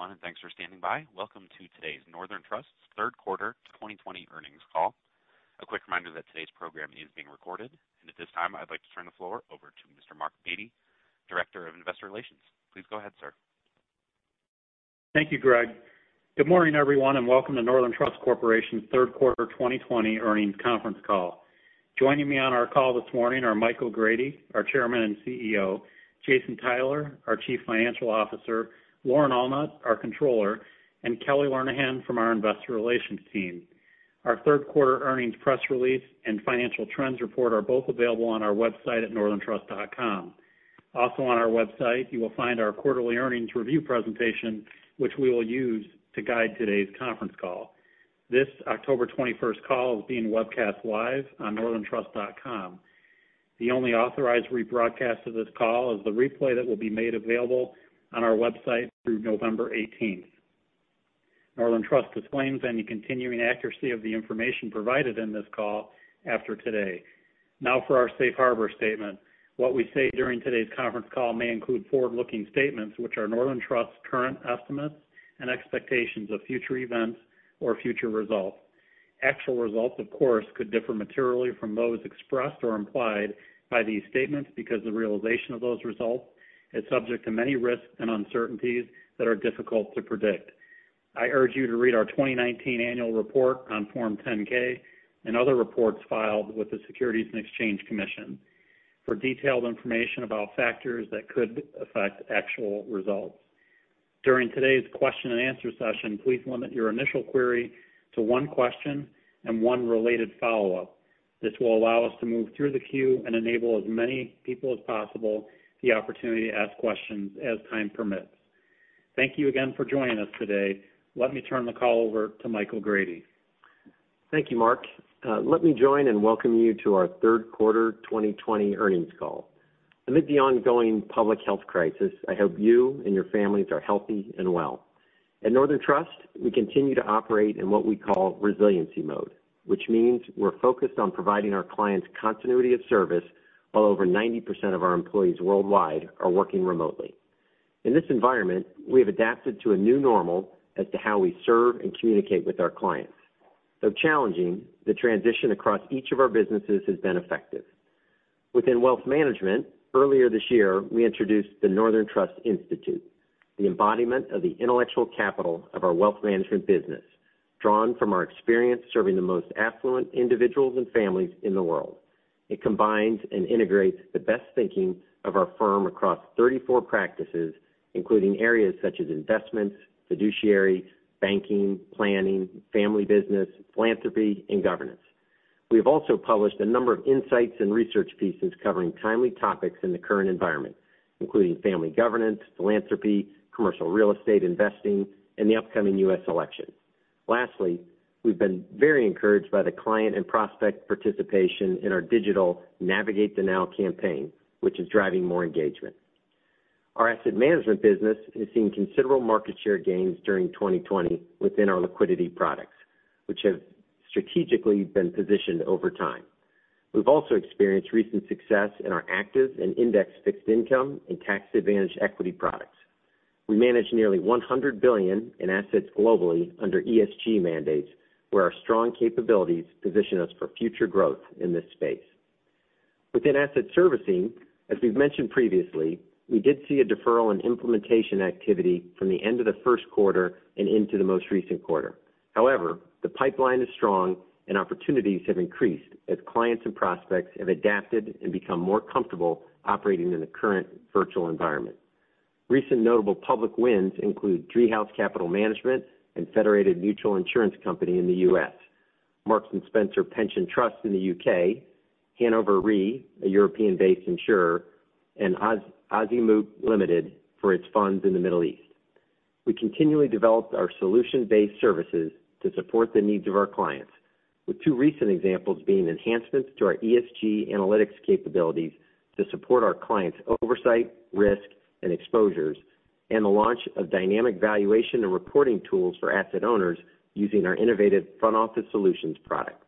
Good day, everyone, and thanks for standing by. Welcome to today's Northern Trust third quarter 2020 earnings call. A quick reminder that today's program is being recorded, and at this time, I'd like to turn the floor over to Mr. Mark Beatty, Director of Investor Relations. Please go ahead, sir. Thank you, Greg. Good morning, everyone, and welcome to Northern Trust Corporation's third quarter 2020 earnings conference call. Joining me on our call this morning are Michael O'Grady, our Chairman and CEO, Jason Tyler, our Chief Financial Officer, Lauren Allnutt, our Controller, and Kelly Lernihan from our Investor Relations team. Our third quarter earnings press release and financial trends report are both available on our website at northerntrust.com. Also on our website, you will find our quarterly earnings review presentation, which we will use to guide today's conference call. This October 21st call is being webcast live on northerntrust.com. The only authorized rebroadcast of this call is the replay that will be made available on our website through November eighteenth. Northern Trust disclaims any continuing accuracy of the information provided in this call after today. Now for our safe harbor statement. What we say during today's conference call may include forward-looking statements, which are Northern Trust's current estimates and expectations of future events or future results. Actual results, of course, could differ materially from those expressed or implied by these statements because the realization of those results is subject to many risks and uncertainties that are difficult to predict. I urge you to read our 2019 annual report on Form 10-K and other reports filed with the Securities and Exchange Commission for detailed information about factors that could affect actual results. During today's question and answer session, please limit your initial query to one question and one related follow-up. This will allow us to move through the queue and enable as many people as possible the opportunity to ask questions as time permits. Thank you again for joining us today. Let me turn the call over to Michael O'Grady. Thank you, Mark. Let me join and welcome you to our third quarter 2020 earnings call. Amid the ongoing public health crisis, I hope you and your families are healthy and well. At Northern Trust, we continue to operate in what we call resiliency mode, which means we're focused on providing our clients continuity of service, while over 90% of our employees worldwide are working remotely. In this environment, we have adapted to a new normal as to how we serve and communicate with our clients. Though challenging, the transition across each of our businesses has been effective. Within wealth management, earlier this year, we introduced the Northern Trust Institute, the embodiment of the intellectual capital of our wealth management business, drawn from our experience serving the most affluent individuals and families in the world. It combines and integrates the best thinking of our firm across 34 practices, including areas such as investments, fiduciary, banking, planning, family business, philanthropy, and governance. We have also published a number of insights and research pieces covering timely topics in the current environment, including family governance, philanthropy, commercial real estate investing, and the upcoming U.S. election. Lastly, we've been very encouraged by the client and prospect participation in our digital Navigate the Now campaign, which is driving more engagement. Our asset management business has seen considerable market share gains during 2020 within our liquidity products, which have strategically been positioned over time. We've also experienced recent success in our active and indexed fixed income and tax-advantaged equity products. We manage nearly $100 billion in assets globally under ESG mandates, where our strong capabilities position us for future growth in this space. Within asset servicing, as we've mentioned previously, we did see a deferral in implementation activity from the end of the first quarter and into the most recent quarter. However, the pipeline is strong and opportunities have increased as clients and prospects have adapted and become more comfortable operating in the current virtual environment. Recent notable public wins include Driehaus Capital Management and Federated Mutual Insurance Company in the U.S., Marks and Spencer Pension Trust in the U.K., Hannover Re, a European-based insurer, and Azimut Limited for its funds in the Middle East. We continually develop our solution-based services to support the needs of our clients, with two recent examples being enhancements to our ESG analytics capabilities to support our clients' oversight, risk, and exposures, and the launch of dynamic valuation and reporting tools for asset owners using our innovative Front Office Solutions product.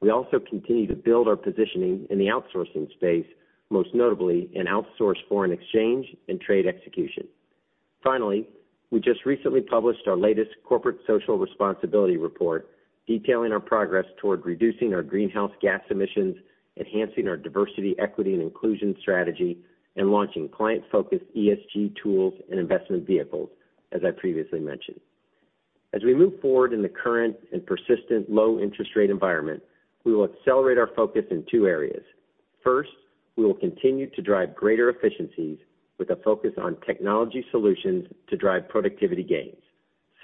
We also continue to build our positioning in the outsourcing space, most notably in outsourced foreign exchange and trade execution. Finally, we just recently published our latest corporate social responsibility report, detailing our progress toward reducing our greenhouse gas emissions, enhancing our diversity, equity, and inclusion strategy, and launching client-focused ESG tools and investment vehicles, as I previously mentioned. As we move forward in the current and persistent low interest rate environment, we will accelerate our focus in two areas. First, we will continue to drive greater efficiencies with a focus on technology solutions to drive productivity gains.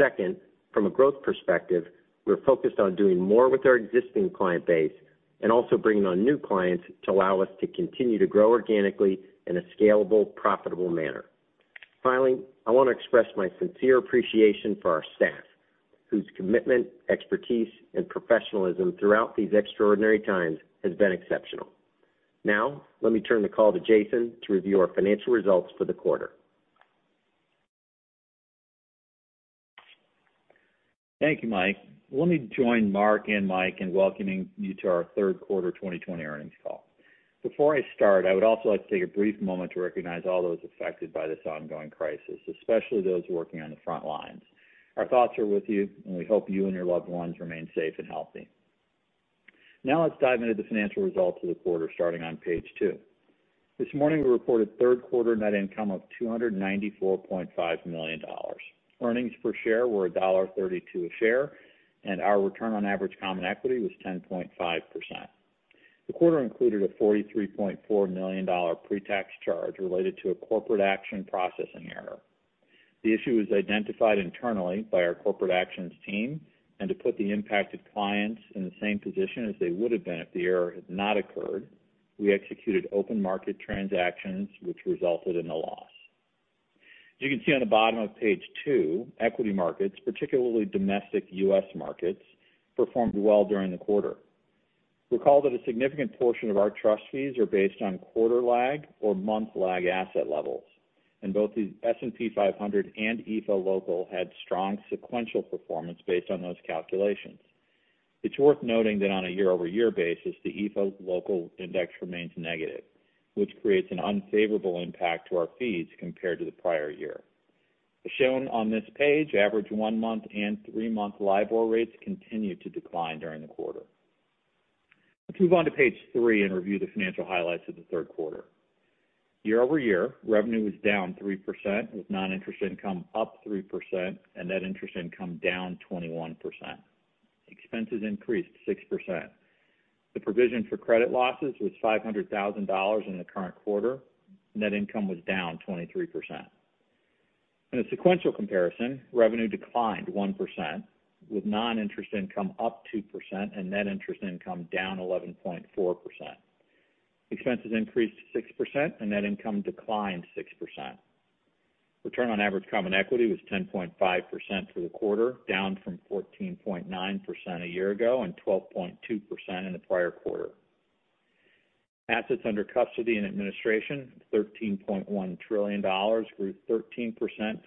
Second, from a growth perspective, we're focused on doing more with our existing client base and also bringing on new clients to allow us to continue to grow organically in a scalable, profitable manner. Finally, I want to express my sincere appreciation for our staff, whose commitment, expertise, and professionalism throughout these extraordinary times has been exceptional. Now, let me turn the call to Jason to review our financial results for the quarter. Thank you, Mike. Let me join Mark and Mike in welcoming you to our third quarter 2020 earnings call. Before I start, I would also like to take a brief moment to recognize all those affected by this ongoing crisis, especially those working on the front lines. Our thoughts are with you, and we hope you and your loved ones remain safe and healthy. Now let's dive into the financial results of the quarter, starting on page two. This morning, we reported third quarter net income of $294.5 million. Earnings per share were $1.32 a share, and our return on average common equity was 10.5%. The quarter included a $43.4 million pre-tax charge related to a corporate action processing error. The issue was identified internally by our corporate actions team, and to put the impacted clients in the same position as they would have been if the error had not occurred, we executed open market transactions, which resulted in a loss. As you can see on the bottom of page two, equity markets, particularly domestic U.S. markets, performed well during the quarter. Recall that a significant portion of our trust fees are based on quarter lag or month lag asset levels, and both the S&P 500 and EAFE Local had strong sequential performance based on those calculations. It's worth noting that on a year-over-year basis, the EAFE Local index remains negative, which creates an unfavorable impact to our fees compared to the prior year. As shown on this page, average one-month and three-month LIBOR rates continued to decline during the quarter. Let's move on to page three and review the financial highlights of the third quarter. Year-over-year, revenue was down 3%, with non-interest income up 3% and net interest income down 21%. Expenses increased 6%. The provision for credit losses was $500,000 in the current quarter. Net income was down 23%. In a sequential comparison, revenue declined 1%, with non-interest income up 2% and net interest income down 11.4%. Expenses increased 6%, and net income declined 6%. Return on average common equity was 10.5% for the quarter, down from 14.9% a year ago and 12.2% in the prior quarter. Assets under custody and administration, $13.1 trillion, grew 13%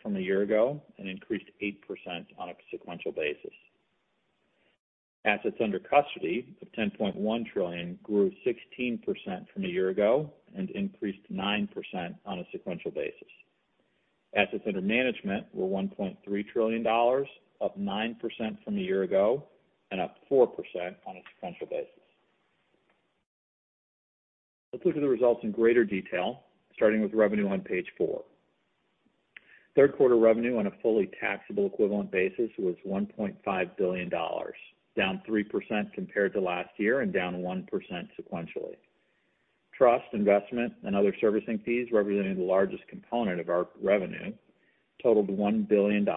from a year ago and increased 8% on a sequential basis. Assets under custody of $10.1 trillion grew 16% from a year ago and increased 9% on a sequential basis. Assets under management were $1.3 trillion, up 9% from a year ago and up 4% on a sequential basis. Let's look at the results in greater detail, starting with revenue on page four. Third quarter revenue on a fully taxable equivalent basis was $1.5 billion, down 3% compared to last year and down 1% sequentially. Trust, investment, and other servicing fees, representing the largest component of our revenue, totaled $1 billion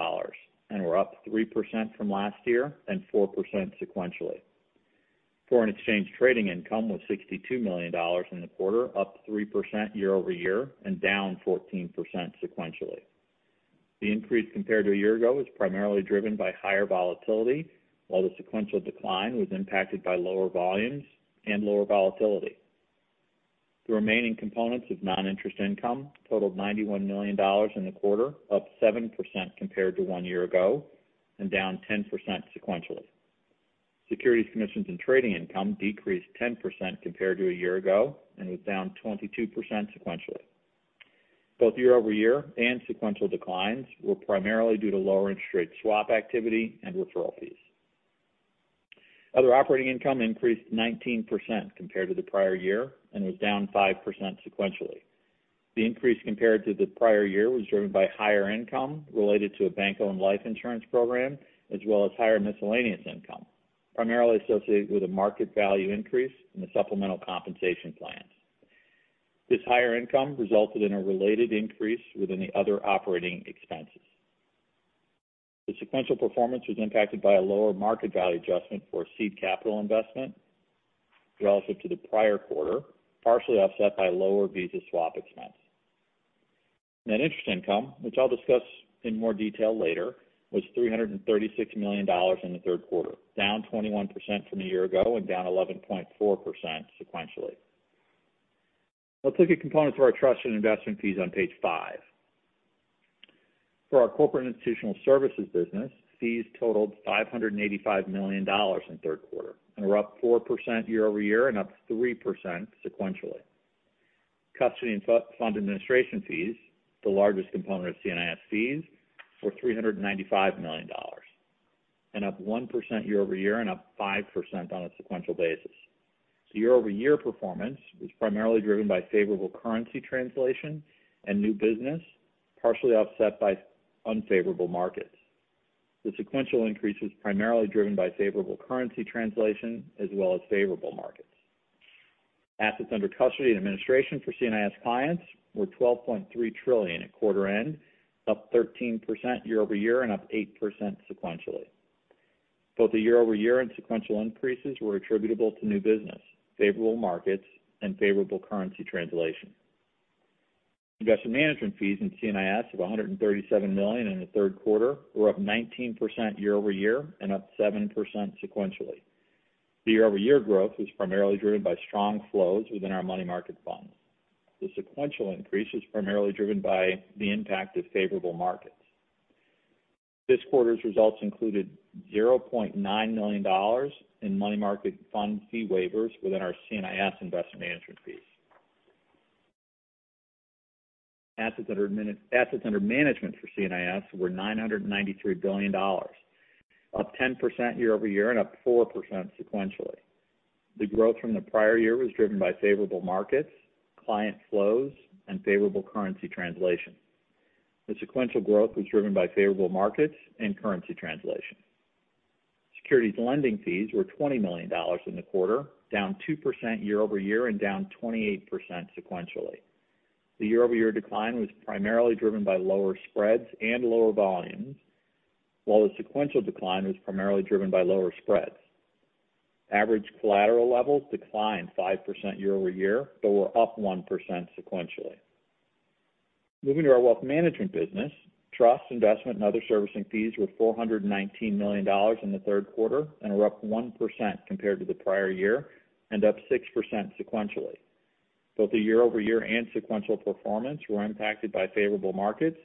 and were up 3% from last year and 4% sequentially. Foreign exchange trading income was $62 million in the quarter, up 3% year-over-year and down 14% sequentially. The increase compared to a year ago was primarily driven by higher volatility, while the sequential decline was impacted by lower volumes and lower volatility. The remaining components of non-interest income totaled $91 million in the quarter, up 7% compared to one year ago and down 10% sequentially. Securities, commissions, and trading income decreased 10% compared to a year ago and was down 22% sequentially. Both year-over-year and sequential declines were primarily due to lower interest rate swap activity and referral fees. Other operating income increased 19% compared to the prior year and was down 5% sequentially. The increase compared to the prior year was driven by higher income related to a bank-owned life insurance program, as well as higher miscellaneous income, primarily associated with a market value increase in the supplemental compensation plans. This higher income resulted in a related increase within the other operating expenses. The sequential performance was impacted by a lower market value adjustment for seed capital investment relative to the prior quarter, partially offset by lower Visa swap expense. Net interest income, which I'll discuss in more detail later, was $336 million in the third quarter, down 21% from a year ago and down 11.4% sequentially. Let's look at components of our trust and investment fees on page five. For our Corporate & Institutional Services business, fees totaled $585 million in third quarter and were up 4% year-over-year and up 3% sequentially. Custody and fund administration fees, the largest component of C&IS fees, were $395 million, and up 1% year-over-year and up 5% on a sequential basis. Year-over-year performance was primarily driven by favorable currency translation and new business, partially offset by unfavorable markets. The sequential increase was primarily driven by favorable currency translation as well as favorable markets. Assets under custody and administration for C&IS clients were $12.3 trillion at quarter end, up 13% year-over-year and up 8% sequentially. Both the year-over-year and sequential increases were attributable to new business, favorable markets, and favorable currency translation. Investment management fees in C&IS of $137 million in the third quarter were up 19% year-over-year and up 7% sequentially.... The year-over-year growth was primarily driven by strong flows within our money market funds. The sequential increase was primarily driven by the impact of favorable markets. This quarter's results included $0.9 million in money market fund fee waivers within our C&IS investment management fees. Assets under management for C&IS were $993 billion, up 10% year-over-year and up 4% sequentially. The growth from the prior year was driven by favorable markets, client flows, and favorable currency translation. The sequential growth was driven by favorable markets and currency translation. Securities lending fees were $20 million in the quarter, down 2% year-over-year and down 28% sequentially. The year-over-year decline was primarily driven by lower spreads and lower volumes, while the sequential decline was primarily driven by lower spreads. Average collateral levels declined 5% year-over-year, but were up 1% sequentially. Moving to our wealth management business, trust, investment, and other servicing fees were $419 million in the third quarter and were up 1% compared to the prior year and up 6% sequentially. Both the year-over-year and sequential performance were impacted by favorable markets,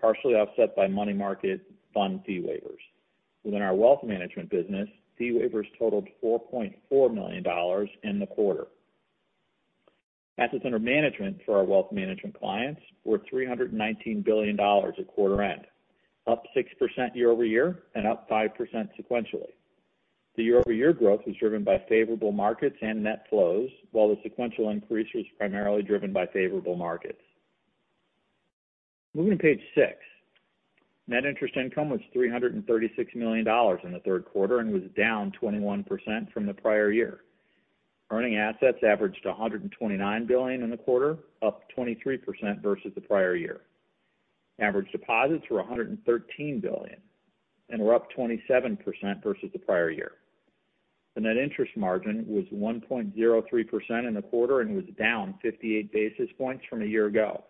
partially offset by money market fund fee waivers. Within our wealth management business, fee waivers totaled $4.4 million in the quarter. Assets under management for our wealth management clients were $319 billion at quarter end, up 6% year-over-year and up 5% sequentially. The year-over-year growth was driven by favorable markets and net flows, while the sequential increase was primarily driven by favorable markets. Moving to page six. Net interest income was $336 million in the third quarter and was down 21% from the prior year. Earning assets averaged $129 billion in the quarter, up 23% versus the prior year. Average deposits were $113 billion and were up 27% versus the prior year. The net interest margin was 1.03% in the quarter and was down 58 basis points from a year ago.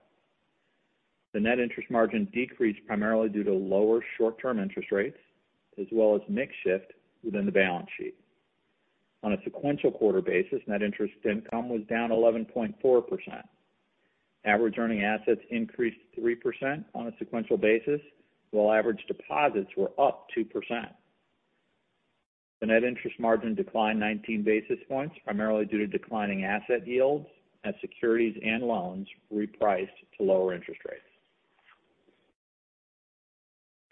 The net interest margin decreased primarily due to lower short-term interest rates, as well as mix shift within the balance sheet. On a sequential quarter basis, net interest income was down 11.4%. Average earning assets increased 3% on a sequential basis, while average deposits were up 2%. The net interest margin declined 19 basis points, primarily due to declining asset yields as securities and loans repriced to lower interest rates.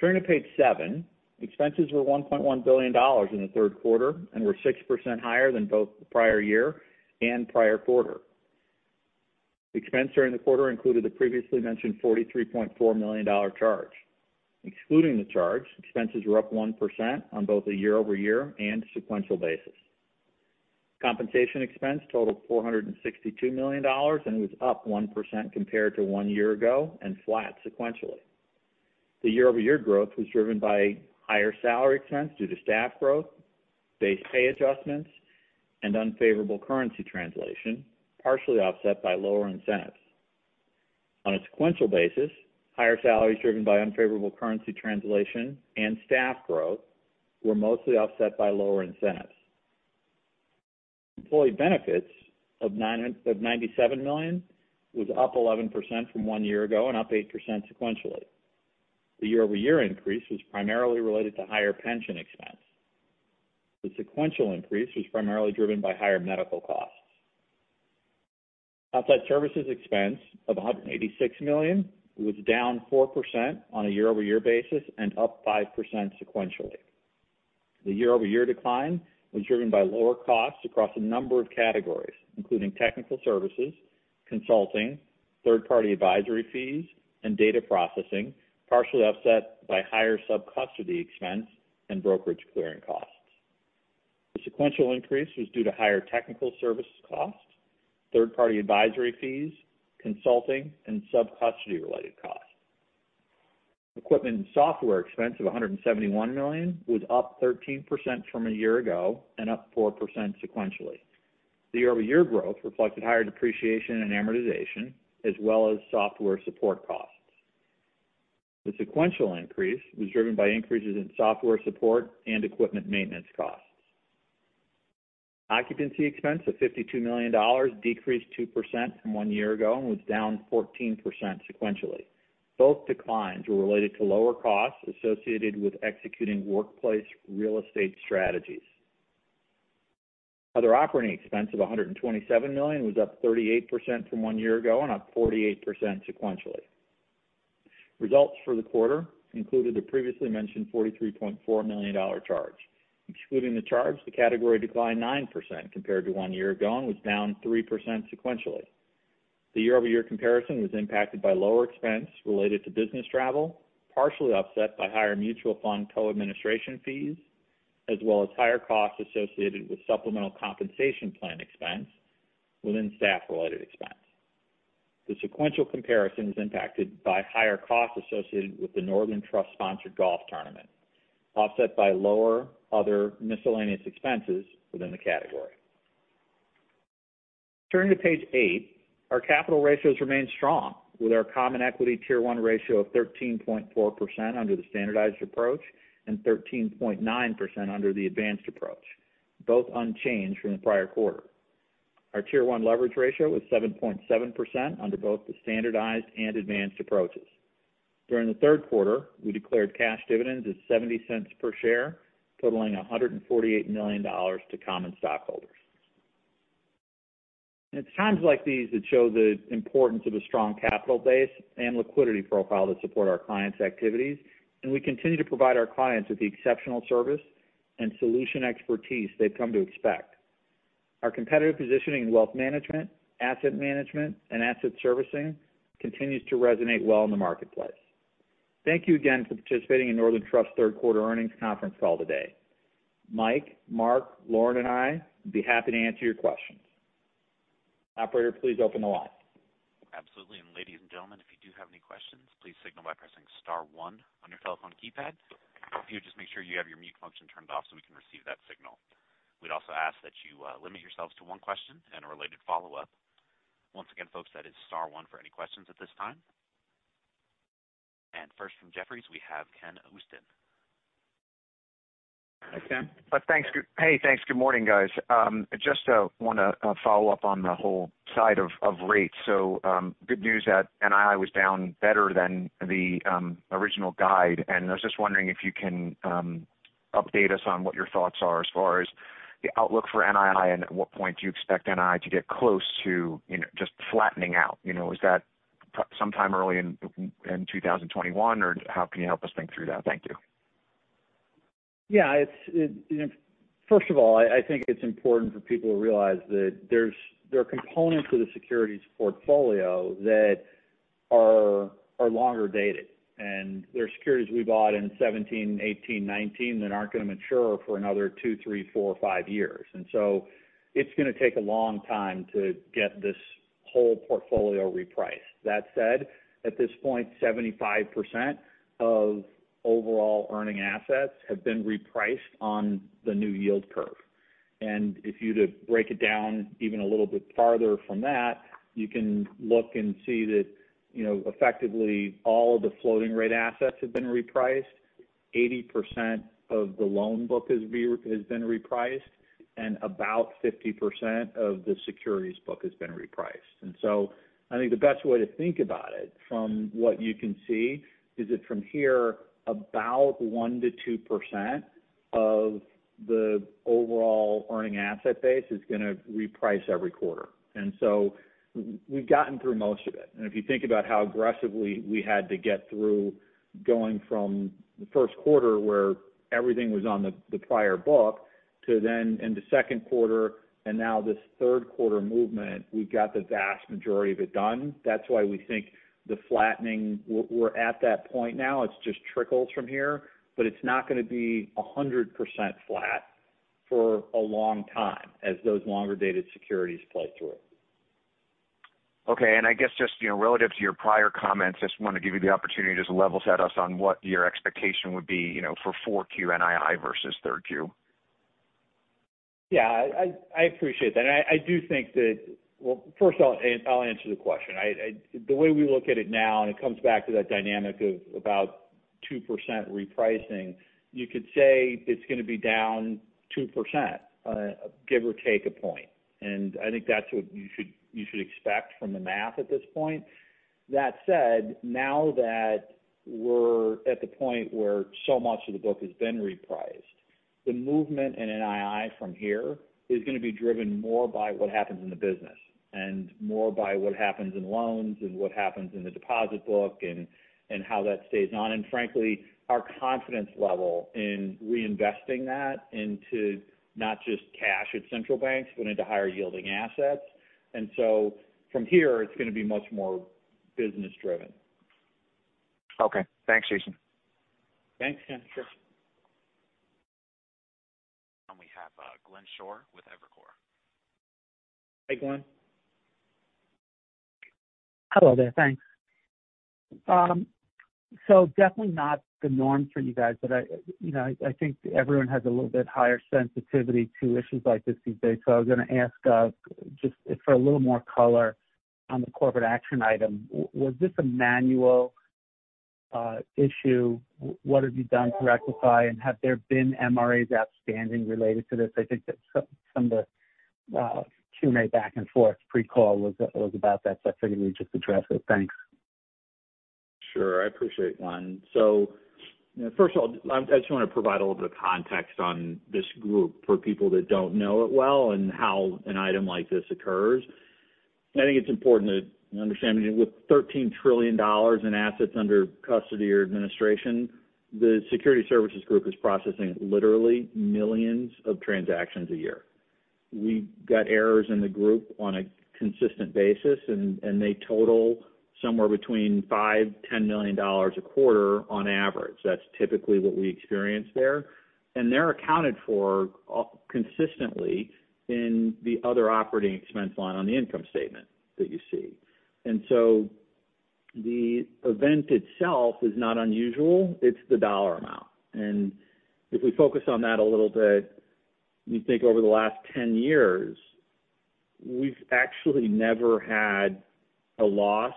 Turning to page seven. Expenses were $1.1 billion in the third quarter and were 6% higher than both the prior year and prior quarter. Expenses during the quarter included the previously mentioned $43.4 million dollar charge. Excluding the charge, expenses were up 1% on both a year-over-year and sequential basis. Compensation expense totaled $462 million, and it was up 1% compared to one year ago and flat sequentially. The year-over-year growth was driven by higher salary expense due to staff growth, base pay adjustments, and unfavorable currency translation, partially offset by lower incentives. On a sequential basis, higher salaries driven by unfavorable currency translation and staff growth were mostly offset by lower incentives. Employee benefits of $97 million was up 11% from one year ago and up 8% sequentially. The year-over-year increase was primarily related to higher pension expense. The sequential increase was primarily driven by higher medical costs. Outside services expense of $186 million was down 4% on a year-over-year basis and up 5% sequentially. The year-over-year decline was driven by lower costs across a number of categories, including technical services, consulting, third-party advisory fees, and data processing, partially offset by higher subcustody expense and brokerage clearing costs. The sequential increase was due to higher technical services costs, third-party advisory fees, consulting, and subcustody-related costs. Equipment and software expense of $171 million was up 13% from a year ago and up 4% sequentially. The year-over-year growth reflected higher depreciation and amortization, as well as software support costs. The sequential increase was driven by increases in software support and equipment maintenance costs. Occupancy expense of $52 million decreased 2% from one year ago and was down 14% sequentially. Both declines were related to lower costs associated with executing workplace real estate strategies. Other operating expense of $127 million was up 38% from one year ago and up 48% sequentially. Results for the quarter included the previously mentioned $43.4 million charge. Excluding the charge, the category declined 9% compared to one year ago and was down 3% sequentially. The year-over-year comparison was impacted by lower expense related to business travel, partially offset by higher mutual fund co-administration fees, as well as higher costs associated with supplemental compensation plan expense within staff-related expense. The sequential comparison was impacted by higher costs associated with the Northern Trust-sponsored golf tournament, offset by lower other miscellaneous expenses within the category. Turning to page eight, our capital ratios remain strong, with our Common Equity Tier 1 ratio of 13.4% under the standardized approach and 13.9% under the advanced approach, both unchanged from the prior quarter. Our Tier 1 leverage ratio was 7.7% under both the standardized and advanced approaches. During the third quarter, we declared cash dividends of $0.70 per share, totaling $148 million to common stockholders. It's times like these that show the importance of a strong capital base and liquidity profile that support our clients' activities, and we continue to provide our clients with the exceptional service and solution expertise they've come to expect. Our competitive positioning in wealth management, asset management, and asset servicing continues to resonate well in the marketplace. Thank you again for participating in Northern Trust third quarter earnings conference call today. Mike, Mark, Lauren, and I would be happy to answer your questions. Operator, please open the line. Absolutely. And ladies and gentlemen, if you do have any questions, please signal by pressing star one on your telephone keypad. If you would just make sure you have your mute function turned off so we can receive that signal. We'd also ask that you, limit yourselves to one question and a related follow-up. Once again, folks, that is star one for any questions at this time. And first, from Jefferies, we have Ken Usdin. Hi, Ken. But thanks. Hey, thanks. Good morning, guys. Just want to follow up on the whole side of rates. So, good news that NII was down better than the original guide, and I was just wondering if you can update us on what your thoughts are as far as the outlook for NII, and at what point do you expect NII to get close to, you know, just flattening out? You know, is that sometime early in two thousand and twenty-one, or how can you help us think through that? Thank you. Yeah, it's first of all, I think it's important for people to realize that there are components of the securities portfolio that are longer dated, and there are securities we bought in seventeen, eighteen, nineteen that aren't going to mature for another two, three, four, or five years. And so it's going to take a long time to get this whole portfolio repriced. That said, at this point, 75% of overall earning assets have been repriced on the new yield curve. And if you were to break it down even a little bit farther from that, you can look and see that, you know, effectively all of the floating rate assets have been repriced, 80% of the loan book has been repriced, and about 50% of the securities book has been repriced. And so I think the best way to think about it, from what you can see, is that from here, about 1%-2% of the overall earning asset base is going to reprice every quarter. And so we've gotten through most of it. And if you think about how aggressively we had to get through, going from the first quarter, where everything was on the prior book, to then in the second quarter and now this third quarter movement, we've got the vast majority of it done. That's why we think the flattening. We're at that point now. It's just trickles from here, but it's not going to be 100% flat for a long time as those longer-dated securities play through it. Okay. And I guess just, you know, relative to your prior comments, I just want to give you the opportunity to level set us on what your expectation would be, you know, for 4Q NII versus 3Q. Yeah, I appreciate that, and I do think that. First I'll answer the question. The way we look at it now, and it comes back to that dynamic of about 2% repricing, you could say it's going to be down 2%, give or take a point. And I think that's what you should expect from the math at this point. That said, now that we're at the point where so much of the book has been repriced, the movement in NII from here is going to be driven more by what happens in the business and more by what happens in loans and what happens in the deposit book and how that stays on. And frankly, our confidence level in reinvesting that into not just cash at central banks, but into higher-yielding assets. From here, it's going to be much more business driven. Okay. Thanks, Jason. Thanks, Ken. Sure. And we have, Glenn Schorr with Evercore. Hey, Glenn. Hello there. Thanks. So definitely not the norm for you guys, but I, you know, I think everyone has a little bit higher sensitivity to issues like this these days. So I was going to ask, just for a little more color on the corporate action item. Was this a manual issue? What have you done to rectify, and have there been MRAs outstanding related to this? I think that some of the Q&A back and forth pre-call was about that, so I figured we'd just address it. Thanks. Sure. I appreciate, Glenn. So, first of all, I just want to provide a little bit of context on this group for people that don't know it well and how an item like this occurs. I think it's important to understand, with $13 trillion in assets under custody or administration, the security services group is processing literally millions of transactions a year. We got errors in the group on a consistent basis, and they total somewhere between $5 million, $10 million a quarter on average. That's typically what we experience there, and they're accounted for consistently in the other operating expense line on the income statement that you see. So the event itself is not unusual, it's the dollar amount. If we focus on that a little bit, you think over the last 10 years, we've actually never had a loss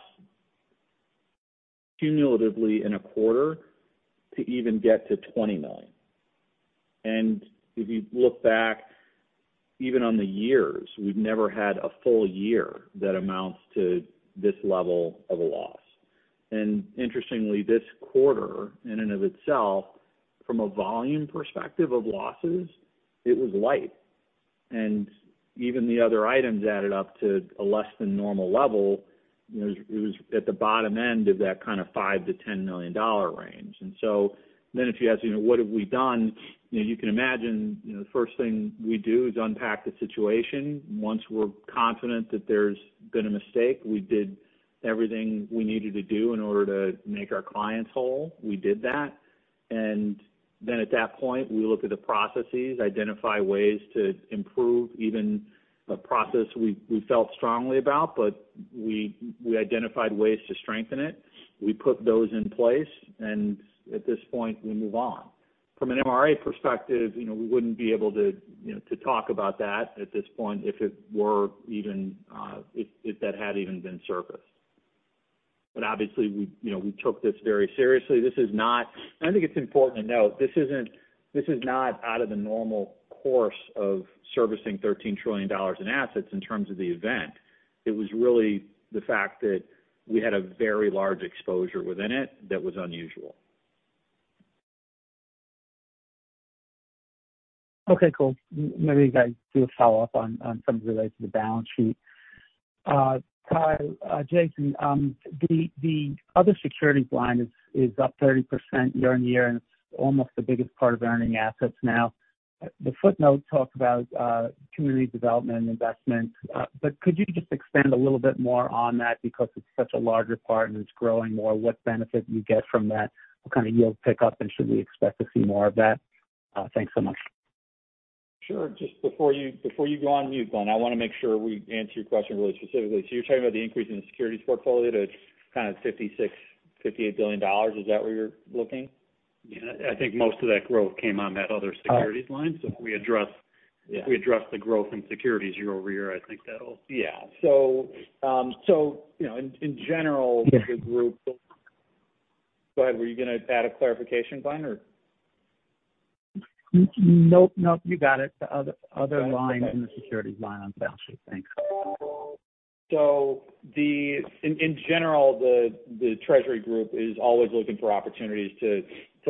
cumulatively in a quarter to even get to $20 million. If you look back even on the years, we've never had a full year that amounts to this level of a loss. Interestingly, this quarter in and of itself, from a volume perspective of losses, it was light. Even the other items added up to a less than normal level, you know, it was at the bottom end of that kind of $5 million-$10 million range, and so then if you ask, you know, what have we done? You know, you can imagine, you know, the first thing we do is unpack the situation. Once we're confident that there's been a mistake, we did everything we needed to do in order to make our clients whole. We did that, and then at that point, we look at the processes, identify ways to improve even a process we felt strongly about, but we identified ways to strengthen it. We put those in place, and at this point, we move on. From an MRA perspective, you know, we wouldn't be able to, you know, to talk about that at this point if it were even, if that had even been surfaced. But obviously, we, you know, we took this very seriously. This is not, and I think it's important to note, this isn't, this is not out of the normal course of servicing $13 trillion in assets in terms of the event. It was really the fact that we had a very large exposure within it that was unusual. Okay, cool. Maybe I do a follow-up on something related to the balance sheet. Hi, Jason. The other securities line is up 30% year-on-year, and it's almost the biggest part of earning assets now. The footnote talked about community development and investment, but could you just expand a little bit more on that because it's such a larger part and it's growing more? What benefit do you get from that? What kind of yield pickup, and should we expect to see more of that? Thanks so much. Sure. Just before you, before you go on, you Glenn, I want to make sure we answer your question really specifically. So you're talking about the increase in the securities portfolio to kind of $56 billion-$58 billion. Is that where you're looking? Yeah, I think most of that growth came on that other securities line. So if we address- Yeah. If we address the growth in securities year-over-year, I think that'll... Yeah. So, you know, in general, the group... Go ahead. Were you going to add a clarification, Glenn, or? Nope, nope, you got it. The other line- Got it. in the securities line on the balance sheet. Thanks. So in general, the treasury group is always looking for opportunities to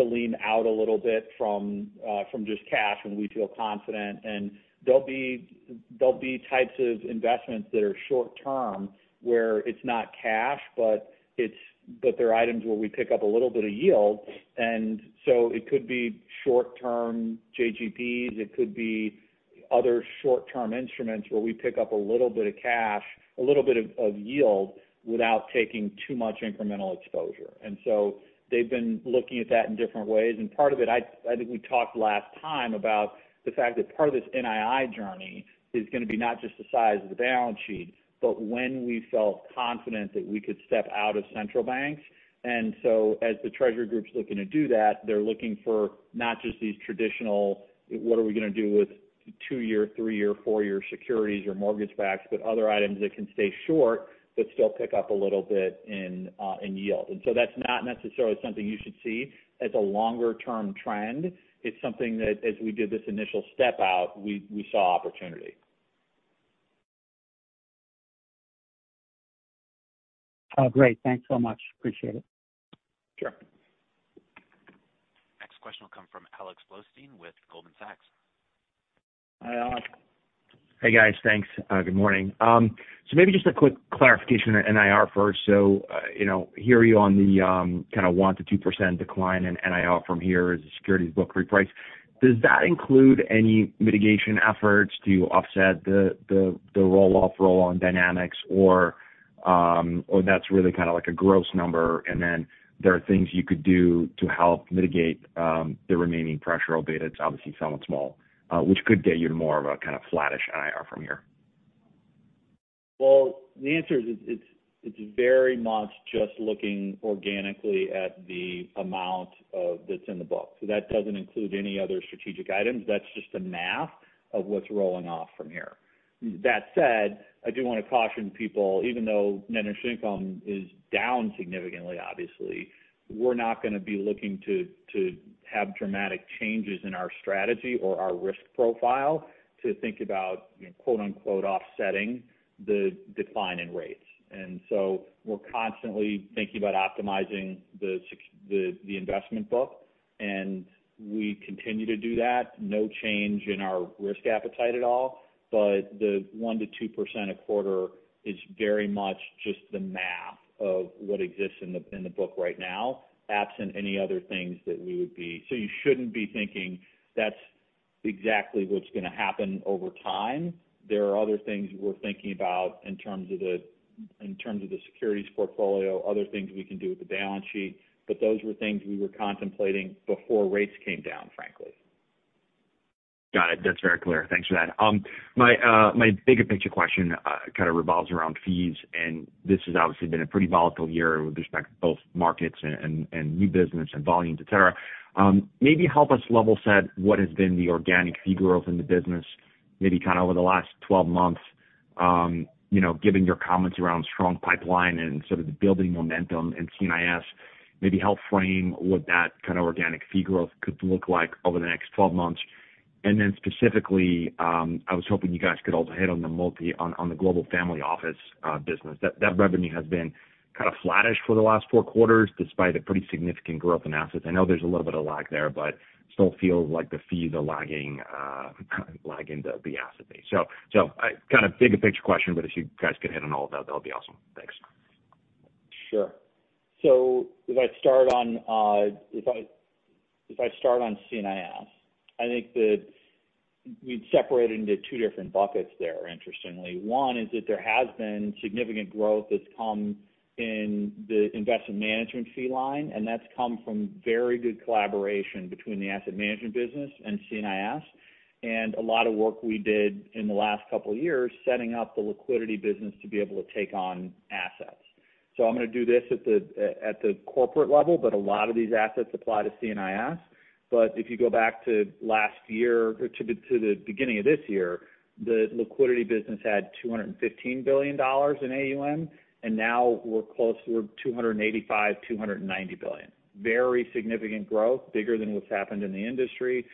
lean out a little bit from just cash when we feel confident. And there'll be types of investments that are short term, where it's not cash, but they're items where we pick up a little bit of yield. And so it could be short term JGBs, it could be other short-term instruments where we pick up a little bit of cash, a little bit of yield without taking too much incremental exposure. And so they've been looking at that in different ways. Part of it, I think we talked last time about the fact that part of this NII journey is going to be not just the size of the balance sheet, but when we felt confident that we could step out of central banks. So as the treasury group's looking to do that, they're looking for not just these traditional, what are we going to do with two-year, three-year, four-year securities or mortgage backs, but other items that can stay short, but still pick up a little bit in yield. So that's not necessarily something you should see as a longer-term trend. It's something that as we did this initial step out, we saw opportunity. Oh, great. Thanks so much. Appreciate it. Sure. Next question will come from Alex Blostein with Goldman Sachs. Hi. Hey, guys. Thanks. Good morning. So maybe just a quick clarification on NII first. So, you know, hear you on the kind of 1%-2% decline in NII from here as the securities book reprice. Does that include any mitigation efforts to offset the roll-off from loan dynamics? Or, or that's really kind of like a gross number, and then there are things you could do to help mitigate the remaining pressure albeit it's obviously somewhat small, which could get you to more of a kind of flattish NII from here? The answer is, it's very much just looking organically at the amount of, that's in the book. That doesn't include any other strategic items. That's just the math of what's rolling off from here. That said, I do want to caution people, even though net interest income is down significantly, obviously, we're not going to be looking to have dramatic changes in our strategy or our risk profile to think about, quote, unquote, "offsetting the decline in rates," and we're constantly thinking about optimizing the investment book, and we continue to do that. No change in our risk appetite at all, but the 1%-2% a quarter is very much just the math of what exists in the book right now, absent any other things that we would be... You shouldn't be thinking that's exactly what's going to happen over time. There are other things we're thinking about in terms of the securities portfolio, other things we can do with the balance sheet, but those were things we were contemplating before rates came down, frankly. Got it. That's very clear. Thanks for that. My bigger picture question kind of revolves around fees, and this has obviously been a pretty volatile year with respect to both markets and new business and volumes, et cetera. Maybe help us level set what has been the organic fee growth in the business, maybe kind of over the last twelve months. You know, given your comments around strong pipeline and sort of the building momentum in C&IS, maybe help frame what that kind of organic fee growth could look like over the next 12 months. And then specifically, I was hoping you guys could also hit on the Global Family Office business. That revenue has been kind of flattish for the last four quarters, despite a pretty significant growth in assets. I know there's a little bit of lag there, but still feels like the fees are lagging, lagging the asset base. So, I kind of bigger picture question, but if you guys could hit on all that, that would be awesome. Thanks. Sure. So if I start on C&IS, I think that we'd separate it into two different buckets there, interestingly. One is that there has been significant growth that's come in the investment management fee line, and that's come from very good collaboration between the asset management business and C&IS, and a lot of work we did in the last couple of years, setting up the liquidity business to be able to take on assets. So I'm going to do this at the corporate level, but a lot of these assets apply to C&IS. But if you go back to last year, or to the beginning of this year, the liquidity business had $215 billion in AUM, and now we're close to $285 billion, $290 billion. Very significant growth, bigger than what's happened in the industry.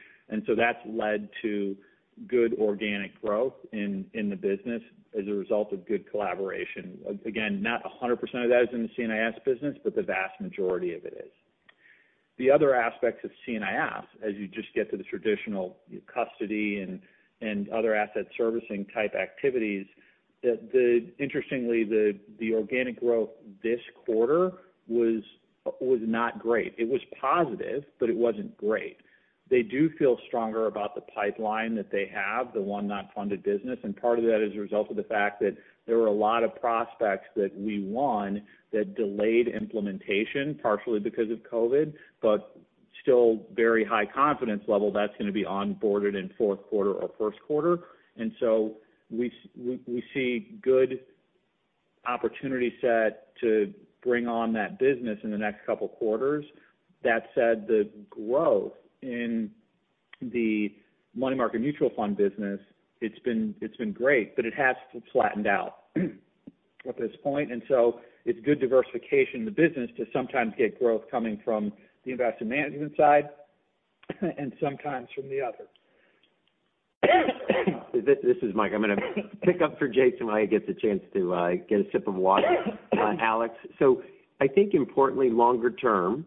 So that's led to good organic growth in the business as a result of good collaboration. Again, not 100% of that is in the C&IS business, but the vast majority of it is. The other aspects of C&IS, as you just get to the traditional custody and other asset servicing type activities, interestingly, the organic growth this quarter was not great. It was positive, but it wasn't great. They do feel stronger about the pipeline that they have, the one not funded business. Part of that is a result of the fact that there were a lot of prospects that we won that delayed implementation, partially because of COVID, but still very high confidence level that's going to be onboarded in fourth quarter or first quarter. And so we see good opportunity set to bring on that business in the next couple of quarters. That said, the growth in the money market mutual fund business. It's been great, but it has flattened out at this point, and so it's good diversification in the business to sometimes get growth coming from the investment management side, and sometimes from the other. This is Mike. I'm going to pick up for Jason while he gets a chance to get a sip of water, Alex. So I think importantly, longer term,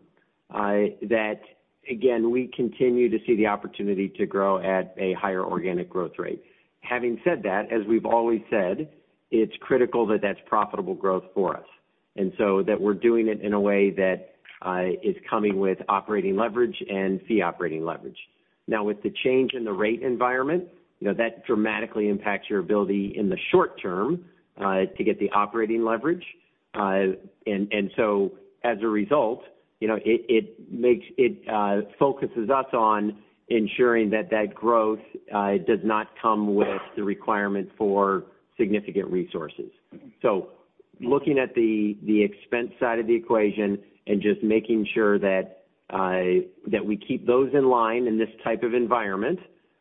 that, again, we continue to see the opportunity to grow at a higher organic growth rate. Having said that, as we've always said, it's critical that that's profitable growth for us, and so that we're doing it in a way that is coming with operating leverage and fee operating leverage. Now, with the change in the rate environment, you know, that dramatically impacts your ability in the short term to get the operating leverage. And so as a result, you know, it makes it focuses us on ensuring that that growth does not come with the requirement for significant resources. So looking at the expense side of the equation and just making sure that we keep those in line in this type of environment,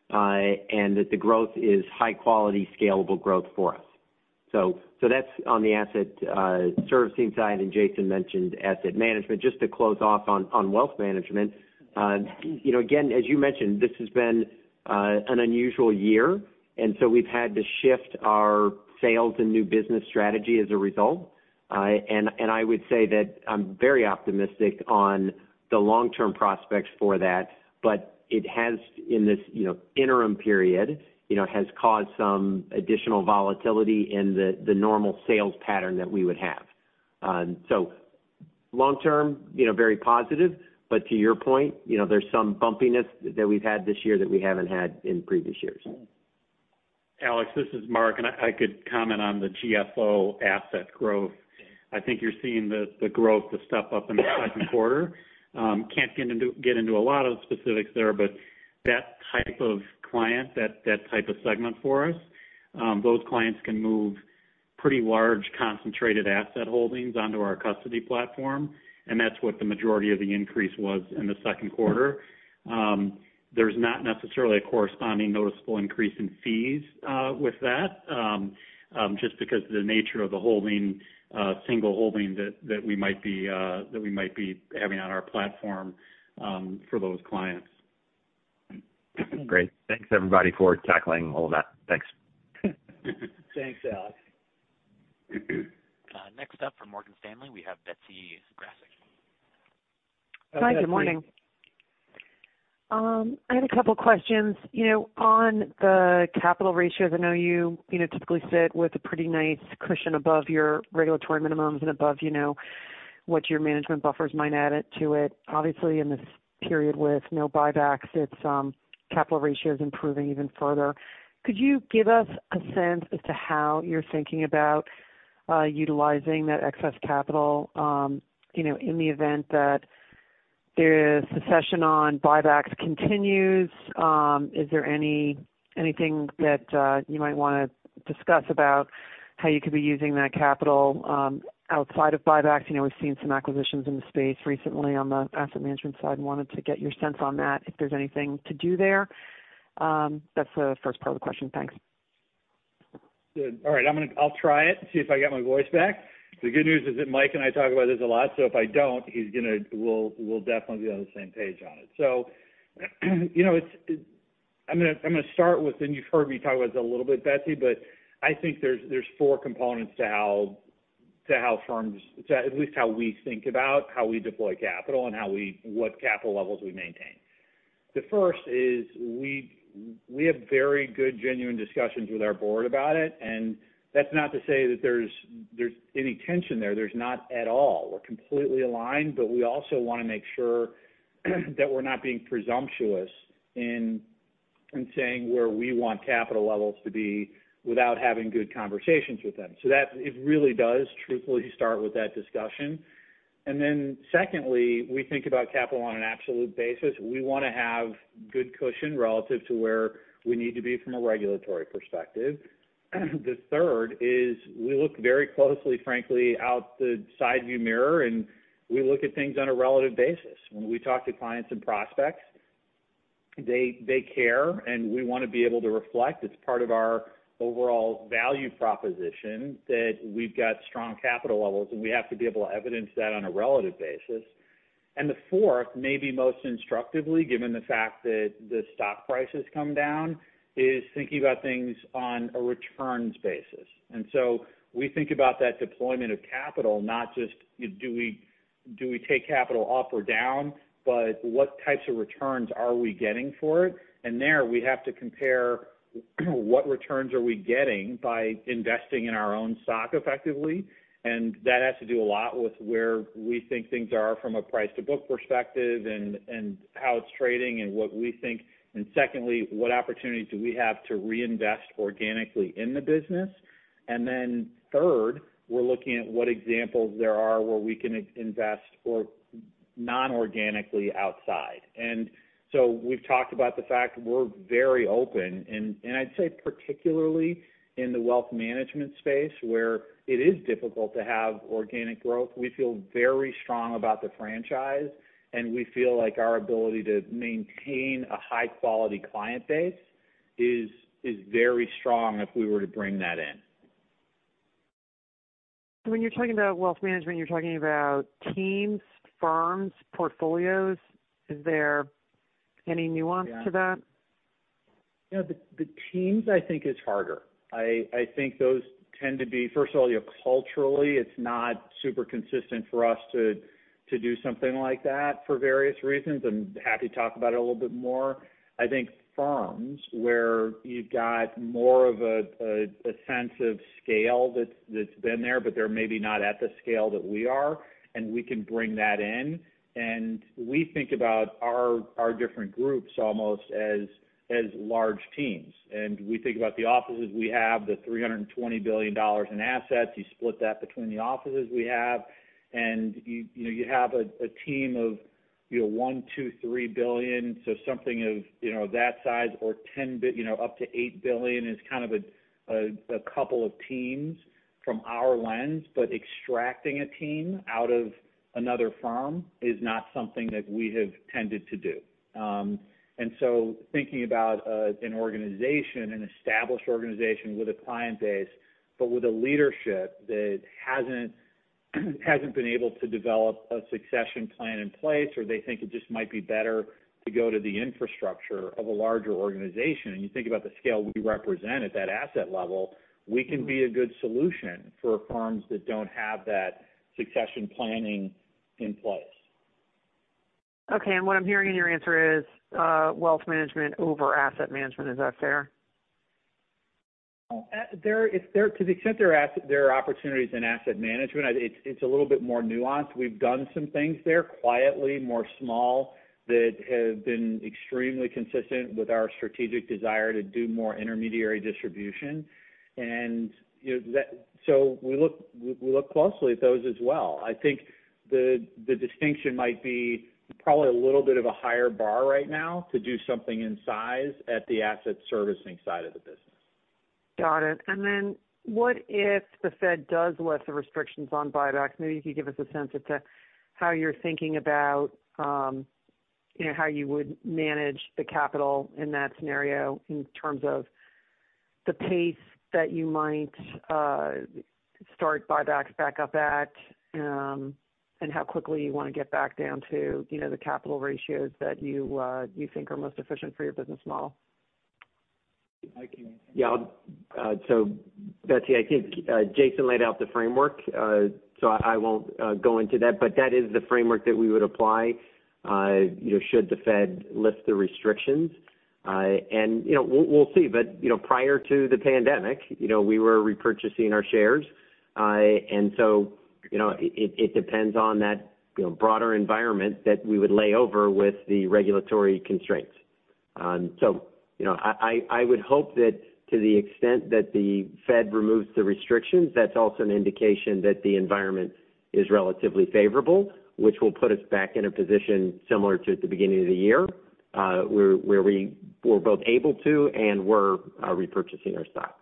and that the growth is high quality, scalable growth for us. So that's on the asset servicing side, and Jason mentioned asset management. Just to close off on wealth management, you know, again, as you mentioned, this has been an unusual year, and so we've had to shift our sales and new business strategy as a result, and I would say that I'm very optimistic on the long-term prospects for that, but it has in this, you know, interim period, you know, has caused some additional volatility in the normal sales pattern that we would have. So long term, you know, very positive, but to your point, you know, there's some bumpiness that we've had this year that we haven't had in previous years. Mm-hmm. Alex, this is Mark, and I could comment on the GFO asset growth. I think you're seeing the growth of stuff up in the second quarter. Can't get into a lot of the specifics there, but that type of client, that type of segment for us, those clients can move pretty large, concentrated asset holdings onto our custody platform, and that's what the majority of the increase was in the second quarter. There's not necessarily a corresponding noticeable increase in fees, with that, just because of the nature of the holding, single holding that we might be having on our platform, for those clients. Great. Thanks, everybody, for tackling all that. Thanks. Thanks, Alex. Next up from Morgan Stanley, we have Betsy Graseck. Hi, good morning. I had a couple questions. You know, on the capital ratios, I know you, you know, typically sit with a pretty nice cushion above your regulatory minimums and above, you know, what your management buffers might add it to it. Obviously, in this period with no buybacks, it's capital ratio is improving even further. Could you give us a sense as to how you're thinking about utilizing that excess capital, you know, in the event that there's the suspension on buybacks continues, is there anything that you might wanna discuss about how you could be using that capital outside of buybacks? You know, we've seen some acquisitions in the space recently on the asset management side, and wanted to get your sense on that, if there's anything to do there. That's the first part of the question. Thanks. Good. All right, I'll try it and see if I get my voice back. The good news is that Mike and I talk about this a lot, so if I don't, we'll definitely be on the same page on it. So, you know, I'm gonna start with, and you've heard me talk about this a little bit, Betsy, but I think there's four components to how firms. To at least how we think about how we deploy capital and what capital levels we maintain. The first is we have very good, genuine discussions with our board about it, and that's not to say that there's any tension there. There's not at all. We're completely aligned, but we also wanna make sure that we're not being presumptuous in saying where we want capital levels to be, without having good conversations with them, so that it really does truthfully start with that discussion, and then secondly, we think about capital on an absolute basis. We wanna have good cushion relative to where we need to be from a regulatory perspective. The third is we look very closely, frankly, out the side view mirror, and we look at things on a relative basis. When we talk to clients and prospects, they care, and we wanna be able to reflect. It's part of our overall value proposition that we've got strong capital levels, and we have to be able to evidence that on a relative basis. And the fourth, maybe most instructively, given the fact that the stock price has come down, is thinking about things on a returns basis. And so we think about that deployment of capital, not just, do we, do we take capital up or down, but what types of returns are we getting for it? And there, we have to compare what returns are we getting by investing in our own stock effectively. And that has to do a lot with where we think things are from a price-to-book perspective, and, and how it's trading and what we think. And secondly, what opportunities do we have to reinvest organically in the business? And then third, we're looking at what examples there are where we can invest or non-organically outside. And so we've talked about the fact that we're very open, and I'd say particularly in the wealth management space, where it is difficult to have organic growth. We feel very strong about the franchise, and we feel like our ability to maintain a high-quality client base is very strong if we were to bring that in. When you're talking about wealth management, you're talking about teams, firms, portfolios. Is there any nuance to that? Yeah. You know, the teams I think is harder. I think those tend to be, first of all, you know, culturally, it's not super consistent for us to do something like that for various reasons. I'm happy to talk about it a little bit more. I think firms where you've got more of a sense of scale that's been there, but they're maybe not at the scale that we are, and we can bring that in. And we think about our different groups almost as large teams. We think about the offices we have, the $320 billion in assets. You split that between the offices we have, and you know, you have a team of, you know, one, two, three billion, so something of, you know, that size or 10 bi- you know, up to $8 billion is kind of a couple of teams from our lens. Extracting a team out of another firm is not something that we have tended to do. And so thinking about an organization, an established organization with a client base, but with a leadership that hasn't been able to develop a succession plan in place, or they think it just might be better to go to the infrastructure of a larger organization, and you think about the scale we represent at that asset level, we can be a good solution for firms that don't have that succession planning in place. Okay, and what I'm hearing in your answer is, wealth management over asset management. Is that fair? To the extent there are opportunities in asset management, it's a little bit more nuanced. We've done some things there, quietly, more small, that have been extremely consistent with our strategic desire to do more intermediary distribution. And, you know, that. So we look closely at those as well. I think the distinction might be probably a little bit of a higher bar right now to do something in size at the asset servicing side of the business. Got it. And then what if the Fed does lift the restrictions on buybacks? Maybe you could give us a sense as to how you're thinking about, you know, how you would manage the capital in that scenario, in terms of the pace that you might start buybacks back up at, and how quickly you wanna get back down to, you know, the capital ratios that you, you think are most efficient for your business model. I can- Yeah, I'll, so Betsy, I think Jason laid out the framework, so I won't go into that, but that is the framework that we would apply, you know, should the Fed lift the restrictions. And, you know, we'll see. But, you know, prior to the pandemic, you know, we were repurchasing our shares. And so, you know, it depends on that, you know, broader environment that we would lay over with the regulatory constraints. So, you know, I would hope that to the extent that the Fed removes the restrictions, that's also an indication that the environment is relatively favorable, which will put us back in a position similar to at the beginning of the year, where we were both able to and were repurchasing our stock.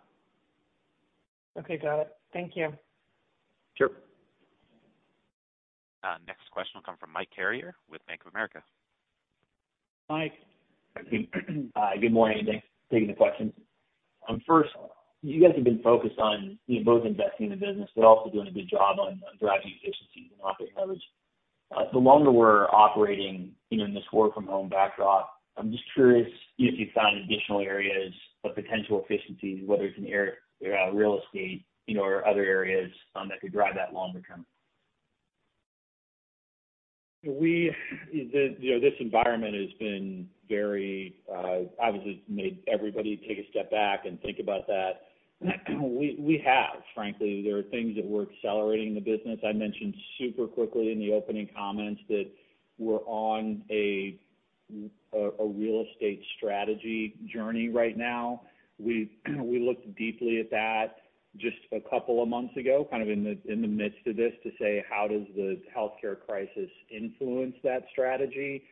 Okay, got it. Thank you. Sure. Next question will come from Mike Carrier with Bank of America. Mike. Hi, good morning. Thanks for taking the questions. First, you guys have been focused on, you know, both investing in the business, but also doing a good job on, on driving efficiencies and operating leverage. The longer we're operating, you know, in this work from home backdrop, I'm just curious if you've found additional areas of potential efficiencies, whether it's in real estate, you know, or other areas, that could drive that longer term? We, you know, this environment has been very. Obviously, it's made everybody take a step back and think about that. We have, frankly, there are things that we're accelerating the business. I mentioned super quickly in the opening comments that we're on a, a real estate strategy journey right now. We looked deeply at that just a couple of months ago, kind of in the midst of this, to say, how does the healthcare crisis influence that strategy?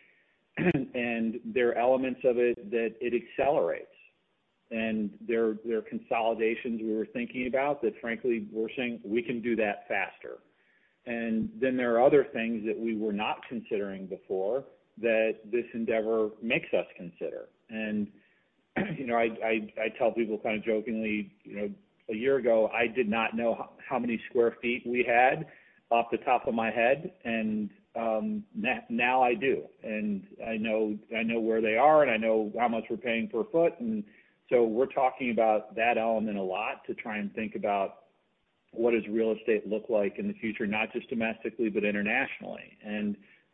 There are elements of it that it accelerates, and there are consolidations we were thinking about that, frankly, we're saying, "We can do that faster." Then there are other things that we were not considering before, that this endeavor makes us consider. You know, I tell people kind of jokingly, you know, a year ago, I did not know how many sq ft we had off the top of my head, and now I do. I know where they are, and I know how much we're paying per sq ft. So we're talking about that element a lot, to try and think about what does real estate look like in the future, not just domestically, but internationally.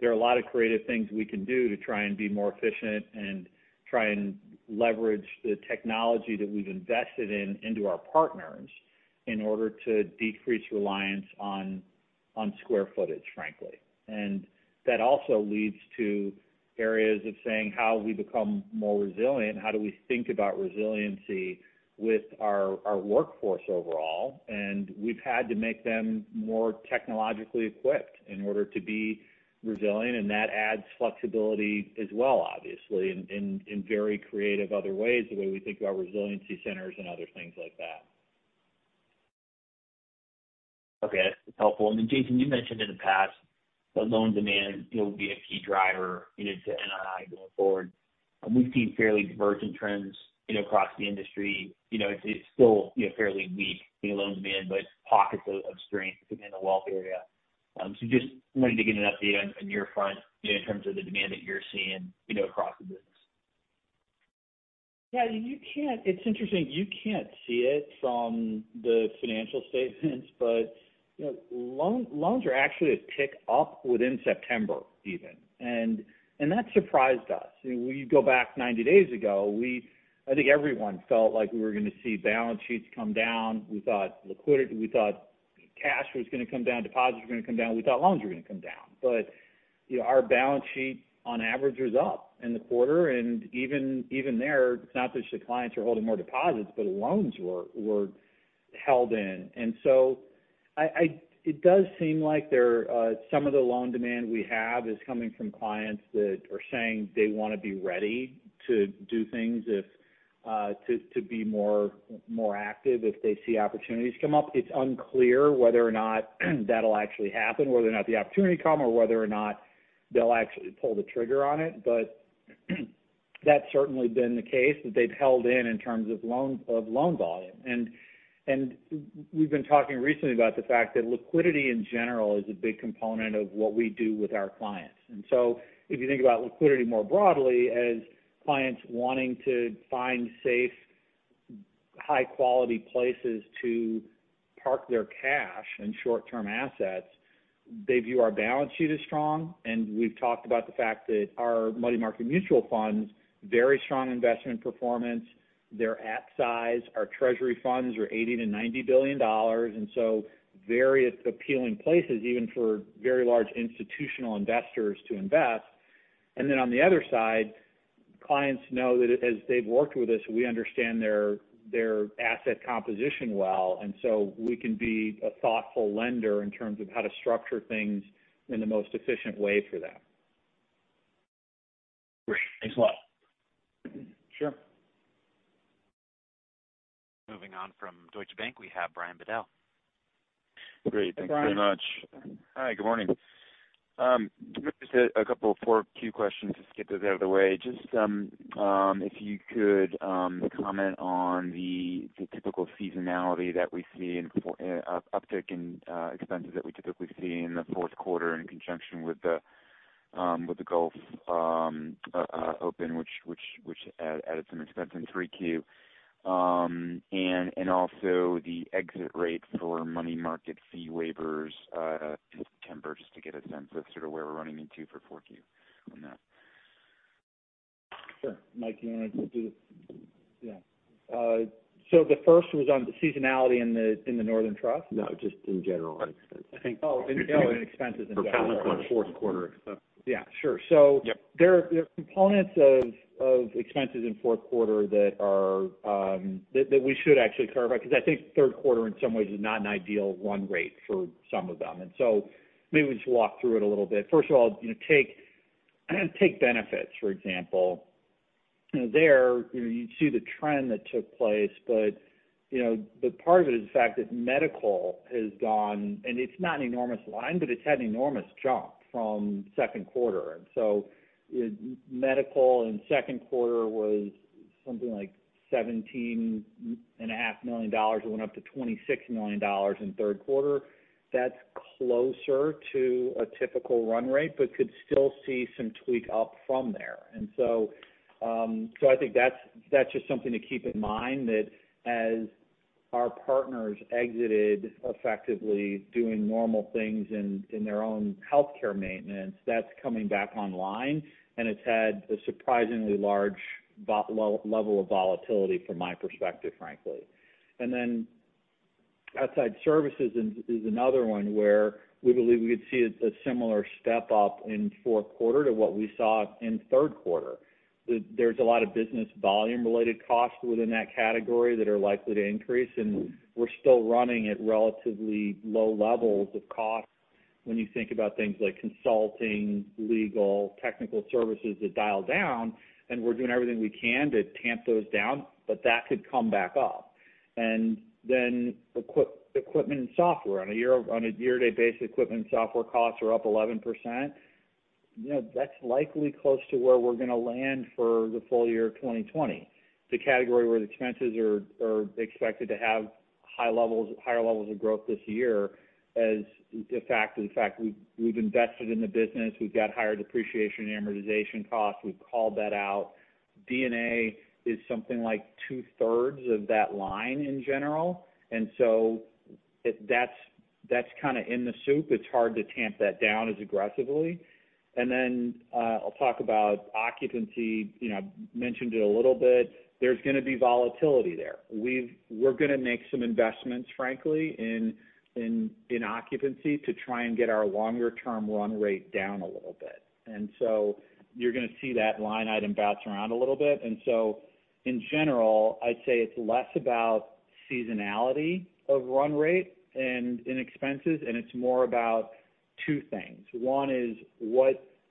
There are a lot of creative things we can do to try and be more efficient and try and leverage the technology that we've invested in into our partners, in order to decrease reliance on sq ft, frankly. That also leads to areas of saying how we become more resilient, how do we think about resiliency with our workforce overall? We've had to make them more technologically equipped in order to be resilient, and that adds flexibility as well, obviously, in very creative other ways, the way we think about resiliency centers and other things like that. Okay, that's helpful. And then, Jason, you mentioned in the past that loan demand, you know, will be a key driver, you know, to NII going forward. And we've seen fairly divergent trends, you know, across the industry. You know, it's still, you know, fairly weak in loan demand, but pockets of strength within the wealth area. So just wanting to get an update on your front, you know, in terms of the demand that you're seeing, you know, across the business. Yeah, you can't see it from the financial statements, but, you know, loans are actually a tick up within September, even. And that surprised us. You know, when you go back ninety days ago, we. I think everyone felt like we were gonna see balance sheets come down. We thought liquidity. We thought cash was gonna come down, deposits were gonna come down, we thought loans were gonna come down. But, you know, our balance sheet on average was up in the quarter, and even there, it's not just that clients are holding more deposits, but loans were held in. And so I it does seem like there some of the loan demand we have is coming from clients that are saying they want to be ready to do things to be more active if they see opportunities come up. It's unclear whether or not that'll actually happen, whether or not the opportunity come, or whether or not they'll actually pull the trigger on it. But that's certainly been the case, that they've held in terms of loan volume. And we've been talking recently about the fact that liquidity, in general, is a big component of what we do with our clients. And so if you think about liquidity more broadly, as clients wanting to find safe, high quality places to park their cash and short-term assets, they view our balance sheet as strong. And we've talked about the fact that our money market mutual funds, very strong investment performance, they're at size. Our treasury funds are $80 billion-$90 billion, and so various appealing places, even for very large institutional investors to invest. And then on the other side, clients know that as they've worked with us, we understand their asset composition well, and so we can be a thoughtful lender in terms of how to structure things in the most efficient way for them. Great, thanks a lot. Sure. Moving on from Deutsche Bank, we have Brian Bedell. Great. Hi, Brian. Thanks very much. Hi, good morning. Just a couple of quick questions, just get those out of the way. Just if you could comment on the typical seasonality that we see in uptick in expenses that we typically see in the fourth quarter, in conjunction with the Golf Open, which added some expense in 3Q. And also the exit rate for money market fee waivers in September, just to get a sense of sort of where we're running rate into for 4Q on that. Sure. Mike, do you want to do the first?... Yeah. So the first was on the seasonality in the, in the Northern Trust? No, just in general on expense, I think- Oh, no. In expenses in general. For fourth quarter except- Yeah, sure. Yep. So there are components of expenses in fourth quarter that we should actually clarify, 'cause I think third quarter, in some ways, is not an ideal run rate for some of them. And so maybe we just walk through it a little bit. First of all, you know, take benefits, for example. You know, you see the trend that took place, but, you know, but part of it is the fact that medical has gone, and it's not an enormous line, but it's had an enormous jump from second quarter. And so medical in second quarter was something like $17.5 million, it went up to $26 million in third quarter. That's closer to a typical run rate, but could still see some tweak up from there. And so, so I think that's, that's just something to keep in mind, that as our partners exited effectively doing normal things in their own healthcare maintenance, that's coming back online, and it's had a surprisingly large level of volatility from my perspective, frankly. And then outside services is another one where we believe we could see a similar step up in fourth quarter to what we saw in third quarter. There's a lot of business volume-related costs within that category that are likely to increase, and we're still running at relatively low levels of cost when you think about things like consulting, legal, technical services that dial down, and we're doing everything we can to tamp those down, but that could come back up. And then equipment and software. On a year-to-date basis, equipment and software costs are up 11%. You know, that's likely close to where we're gonna land for the full year of 2020. The category where the expenses are expected to have high levels, higher levels of growth this year, as the fact we've invested in the business, we've got higher depreciation and amortization costs. We've called that out. D&A is something like two-thirds of that line in general. And so that's kind of in the soup. It's hard to tamp that down as aggressively. And then I'll talk about occupancy. You know, I mentioned it a little bit. There's gonna be volatility there. We're gonna make some investments, frankly, in occupancy to try and get our longer-term run rate down a little bit. And so you're gonna see that line item bounce around a little bit. And so in general, I'd say it's less about seasonality of run rate and in expenses, and it's more about two things. One is,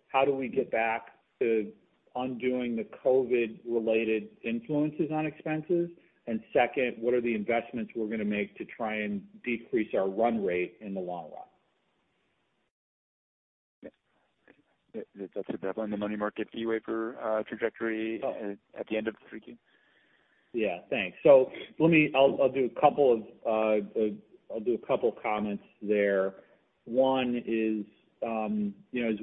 how do we get back to undoing the COVID-related influences on expenses? And second, what are the investments we're gonna make to try and decrease our run rate in the long run? Yeah. Does that put that on the money market fee waiver trajectory at the end of the 3Q? Yeah, thanks. So let me, I'll do a couple of comments there. One is, you know, as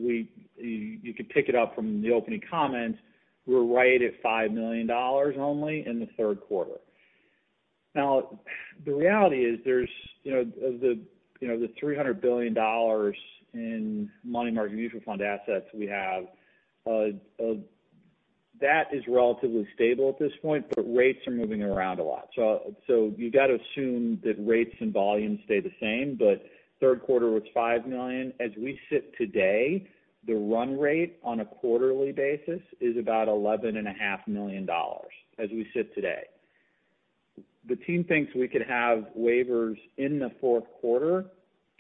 you could pick it up from the opening comments, we're right at $5 million only in the third quarter. Now, the reality is there's, you know, of the, you know, the $300 billion in money market mutual fund assets we have, that is relatively stable at this point, but rates are moving around a lot. So you've got to assume that rates and volumes stay the same, but third quarter was $5 million. As we sit today, the run rate on a quarterly basis is about $11.5 million, as we sit today. The team thinks we could have waivers in the fourth quarter,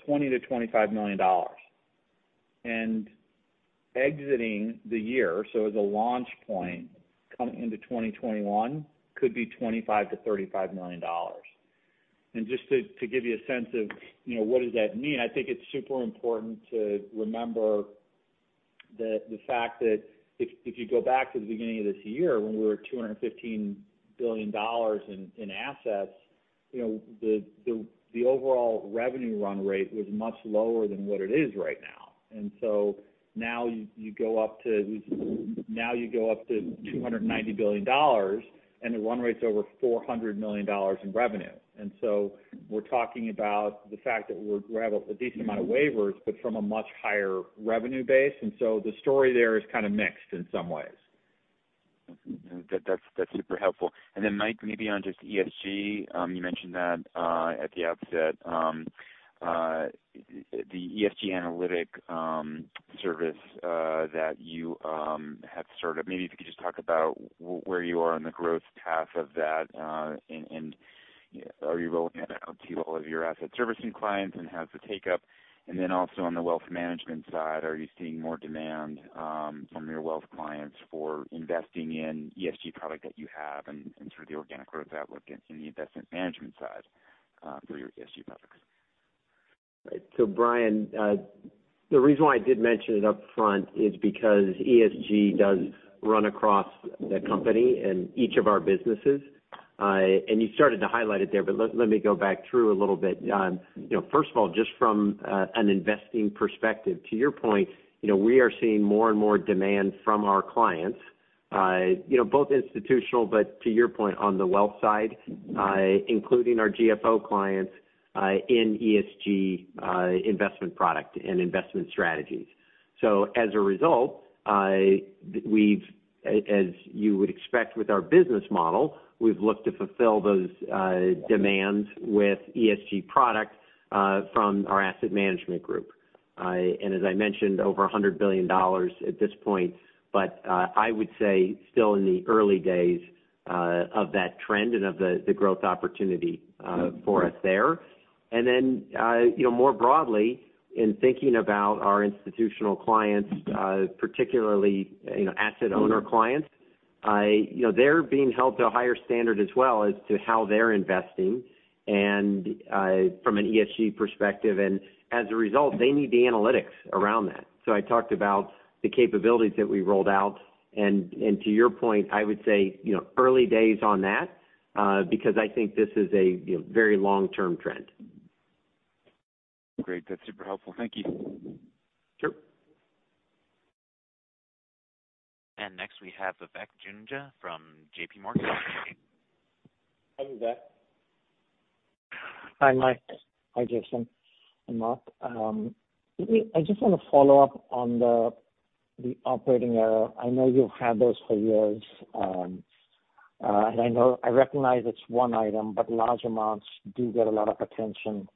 $20-$25 million. Exiting the year, so as a launch point, coming into 2021, could be $25 million-$35 million. And just to give you a sense of, you know, what does that mean? I think it's super important to remember the fact that if you go back to the beginning of this year, when we were $215 billion in assets, you know, the overall revenue run rate was much lower than what it is right now. And so now you go up to $290 billion, and the run rate's over $400 million in revenue. We're talking about the fact that we have a decent amount of waivers, but from a much higher revenue base, and so the story there is kind of mixed in some ways. That's, that's super helpful. And then, Mike, maybe on just ESG, you mentioned that at the outset, the ESG analytic service that you have started. Maybe if you could just talk about where you are on the growth path of that, and are you rolling it out to all of your asset servicing clients and how's the take-up? And then also on the wealth management side, are you seeing more demand from your wealth clients for investing in ESG product that you have and sort of the organic growth outlook in the investment management side for your ESG products? So, Brian, the reason why I did mention it up front is because ESG does run across the company and each of our businesses, and you started to highlight it there, but let me go back through a little bit, you know, first of all, just from an investing perspective, to your point, you know, we are seeing more and more demand from our clients, you know, both institutional, but to your point, on the wealth side, including our GFO clients, in ESG investment product and investment strategies, so as a result, we've as you would expect with our business model, we've looked to fulfill those demands with ESG products from our asset management group. And as I mentioned, over $100 billion at this point, but, I would say still in the early days, of that trend and of the growth opportunity, for us there. And then, you know, more broadly, in thinking about our institutional clients, particularly, you know, asset owner clients, you know, they're being held to a higher standard as well as to how they're investing, and, from an ESG perspective. And as a result, they need the analytics around that. So I talked about the capabilities that we rolled out, and, to your point, I would say, you know, early days on that, because I think this is a, you know, very long-term trend. Great. That's super helpful. Thank you. Sure. Next, we have Vivek Juneja from JPMorgan. Hi, Vivek. Hi, Mike. Hi, Jason, and Mark. Let me. I just want to follow up on the operating error. I know you've had those for years, and I know. I recognize it's one item, but large amounts do get a lot of attention.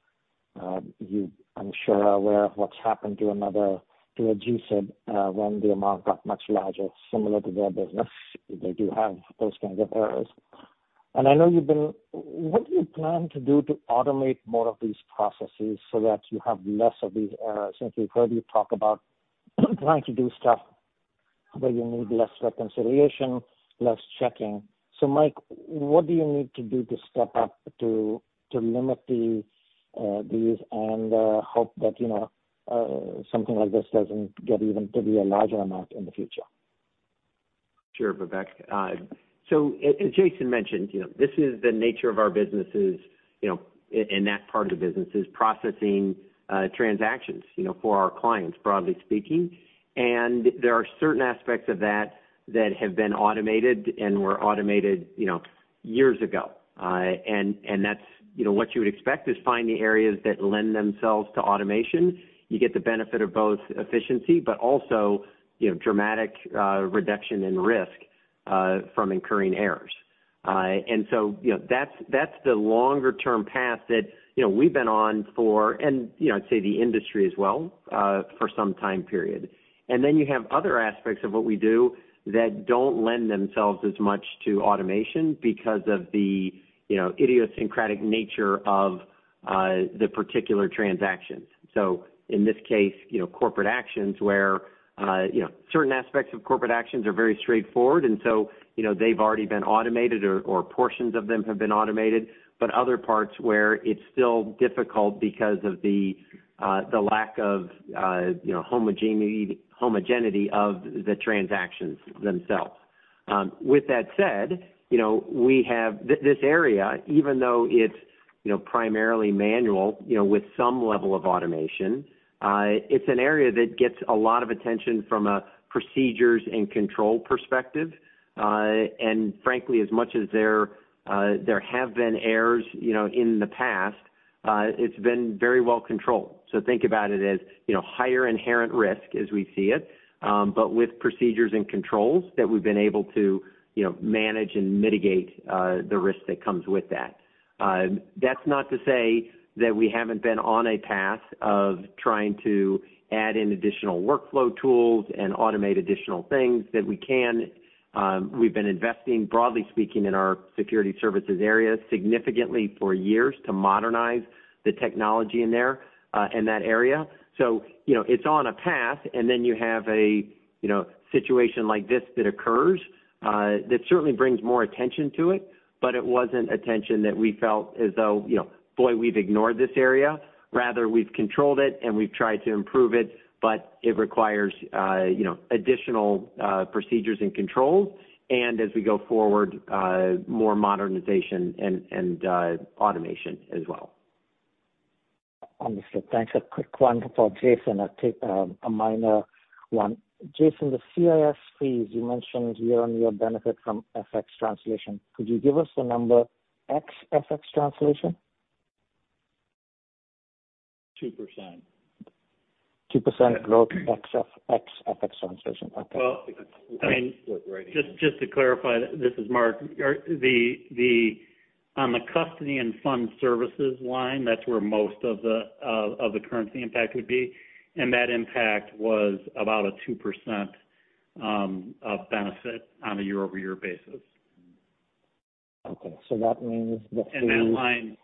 You, I'm sure, are aware of what's happened to another to a G-SIB, when the amount got much larger, similar to their business. They do have those kinds of errors. And I know you've been. What do you plan to do to automate more of these processes so that you have less of these errors? Since we've heard you talk about trying to do stuff where you need less reconciliation, less checking. So Mike, what do you need to do to step up to limit these and hope that, you know, something like this doesn't get even to be a larger amount in the future? Sure, Vivek. So as Jason mentioned, you know, this is the nature of our businesses, you know, in that part of the business, is processing, transactions, you know, for our clients, broadly speaking. And there are certain aspects of that that have been automated and were automated, you know, years ago. And that's, you know, what you would expect, is find the areas that lend themselves to automation. You get the benefit of both efficiency, but also, you know, dramatic, reduction in risk, from incurring errors. And so, you know, that's, that's the longer term path that, you know, we've been on for, and, you know, I'd say the industry as well, for some time period. And then you have other aspects of what we do that don't lend themselves as much to automation because of the, you know, idiosyncratic nature of, the particular transactions. So in this case, you know, corporate actions where, you know, certain aspects of corporate actions are very straightforward, and so, you know, they've already been automated or, or portions of them have been automated, but other parts where it's still difficult because of the, the lack of, you know, homogeneity of the transactions themselves. With that said, you know, we have... This area, even though it's, you know, primarily manual, you know, with some level of automation, it's an area that gets a lot of attention from a procedures and control perspective. And frankly, as much as there have been errors, you know, in the past, it's been very well controlled. So think about it as, you know, higher inherent risk as we see it, but with procedures and controls that we've been able to, you know, manage and mitigate the risk that comes with that. That's not to say that we haven't been on a path of trying to add in additional workflow tools and automate additional things that we can. We've been investing, broadly speaking, in our security services area significantly for years to modernize the technology in there, in that area. So, you know, it's on a path, and then you have a, you know, situation like this that occurs that certainly brings more attention to it, but it wasn't attention that we felt as though, you know, "Boy, we've ignored this area." Rather, we've controlled it, and we've tried to improve it, but it requires, you know, additional procedures and controls, and as we go forward, more modernization and automation as well. Understood. Thanks. A quick one for Jason, a take, a minor one. Jason, the CIS fees, you mentioned year-on-year benefit from FX translation. Could you give us the number ex FX translation? 2%. 2% growth ex FX translation. Okay. I mean, just to clarify, this is Mark. On the custody and fund services line, that's where most of the currency impact would be, and that impact was about a 2% benefit on a year-over-year basis. Okay. So that means that- And that line,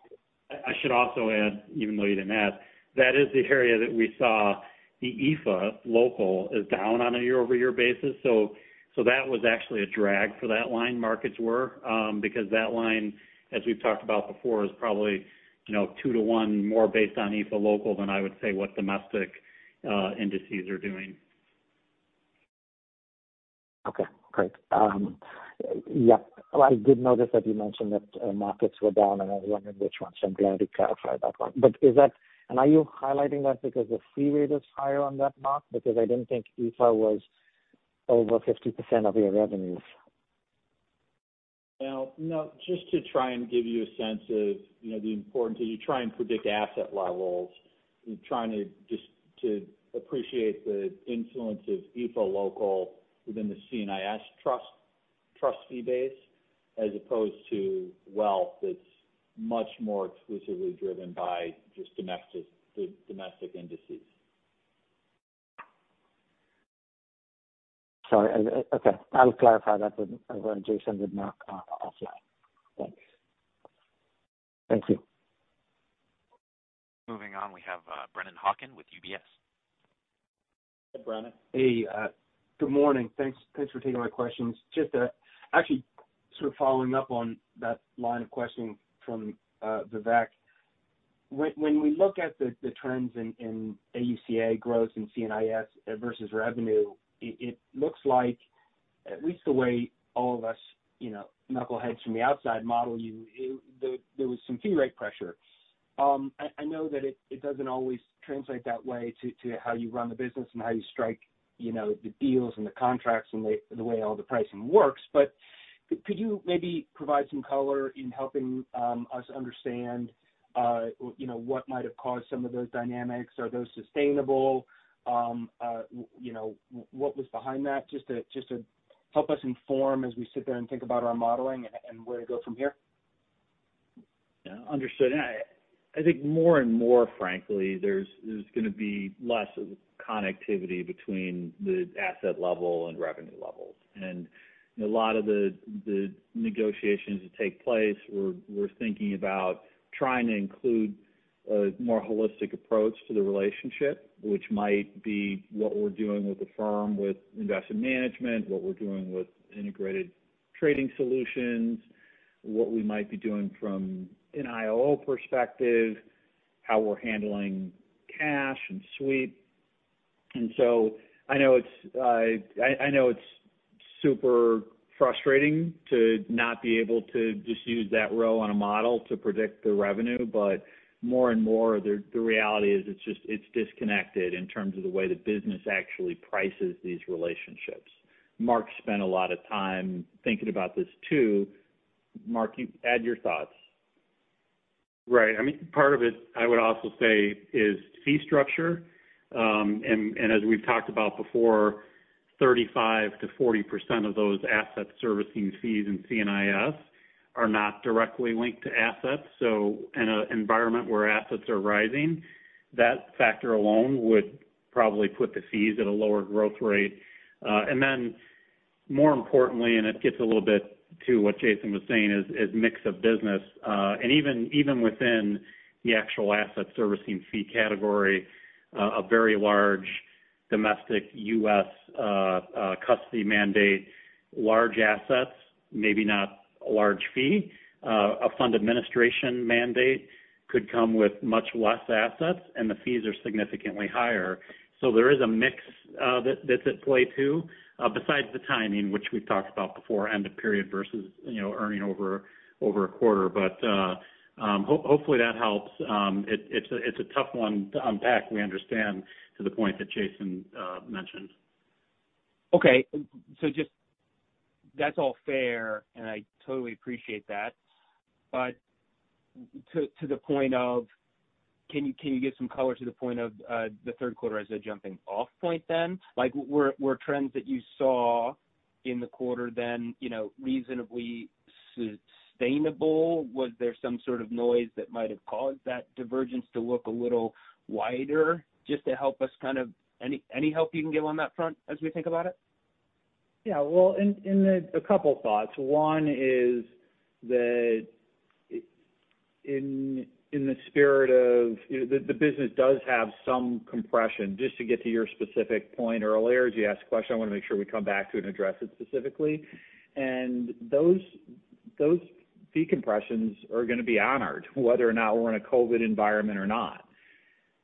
I should also add, even though you didn't ask, that is the area that we saw the EAFE Local is down on a year-over-year basis. So that was actually a drag for that line, markets were, because that line, as we've talked about before, is probably, you know, two to one more based on EAFE Local than I would say what domestic indices are doing. Okay, great. Yeah, I did notice that you mentioned that, markets were down, and I was wondering which ones, so I'm glad you clarified that one. But is that and are you highlighting that because the fee rate is higher on that market? Because I didn't think EAFE was over 50% of your revenues. No, just to try and give you a sense of, you know, the importance, as you try and predict asset levels, you're trying to just appreciate the influence of inflows local within the C&IS trust fee base, as opposed to wealth, that's much more exclusively driven by just domestic, the domestic indices. Sorry, okay, I'll clarify that with Jason with Mark offline. Thanks. Thank you. Moving on, we have, Brennan Hawken with UBS. Hi, Brennan. Hey, good morning. Thanks for taking my questions. Just to actually sort of following up on that line of questioning from Vivek. When we look at the trends in AUC/A growth in C&IS versus revenue, it looks like, at least the way all of us, you know, knuckleheads from the outside model you, there was some fee rate pressure. I know that it doesn't always translate that way to how you run the business and how you strike, you know, the deals and the contracts and the way all the pricing works. But could you maybe provide some color in helping us understand, you know, what might have caused some of those dynamics? Are those sustainable? You know, what was behind that? Just to help us inform as we sit there and think about our modeling and where to go from here. Yeah, understood. I think more and more frankly, there's going to be less connectivity between the asset level and revenue levels. And, you know, a lot of the negotiations that take place, we're thinking about trying to include a more holistic approach to the relationship, which might be what we're doing with the firm, with investment management, what we're doing with Integrated Trading Solutions, what we might be doing from an IO perspective, how we're handling cash and sweep. And so I know it's super frustrating to not be able to just use that row on a model to predict the revenue, but more and more, the reality is it's just disconnected in terms of the way the business actually prices these relationships. Mark spent a lot of time thinking about this, too. Mark, you add your thoughts. Right. I mean, part of it, I would also say, is fee structure. And as we've talked about before, 35%-40% of those asset servicing fees in C&IS are not directly linked to assets. So in an environment where assets are rising, that factor alone would probably put the fees at a lower growth rate. And then, more importantly, and it gets a little bit to what Jason was saying, is mix of business. And even within the actual asset servicing fee category, a very large domestic U.S. custody mandate, large assets, maybe not a large fee. A fund administration mandate could come with much less assets, and the fees are significantly higher. So there is a mix that's at play, too, besides the timing, which we've talked about before, end of period versus, you know, earning over a quarter. But hopefully, that helps. It's a tough one to unpack, we understand, to the point that Jason mentioned. Okay, so just... That's all fair, and I totally appreciate that. But to the point of, can you give some color to the point of the third quarter as a jumping off point then? Like, were trends that you saw in the quarter then, you know, reasonably sustainable? Was there some sort of noise that might have caused that divergence to look a little wider? Just to help us kind of any help you can give on that front as we think about it? Yeah, well. A couple thoughts. One is that in the spirit of, you know, the business does have some compression, just to get to your specific point earlier, as you asked a question. I want to make sure we come back to it and address it specifically. And those fee compressions are going to be honored, whether or not we're in a COVID environment or not.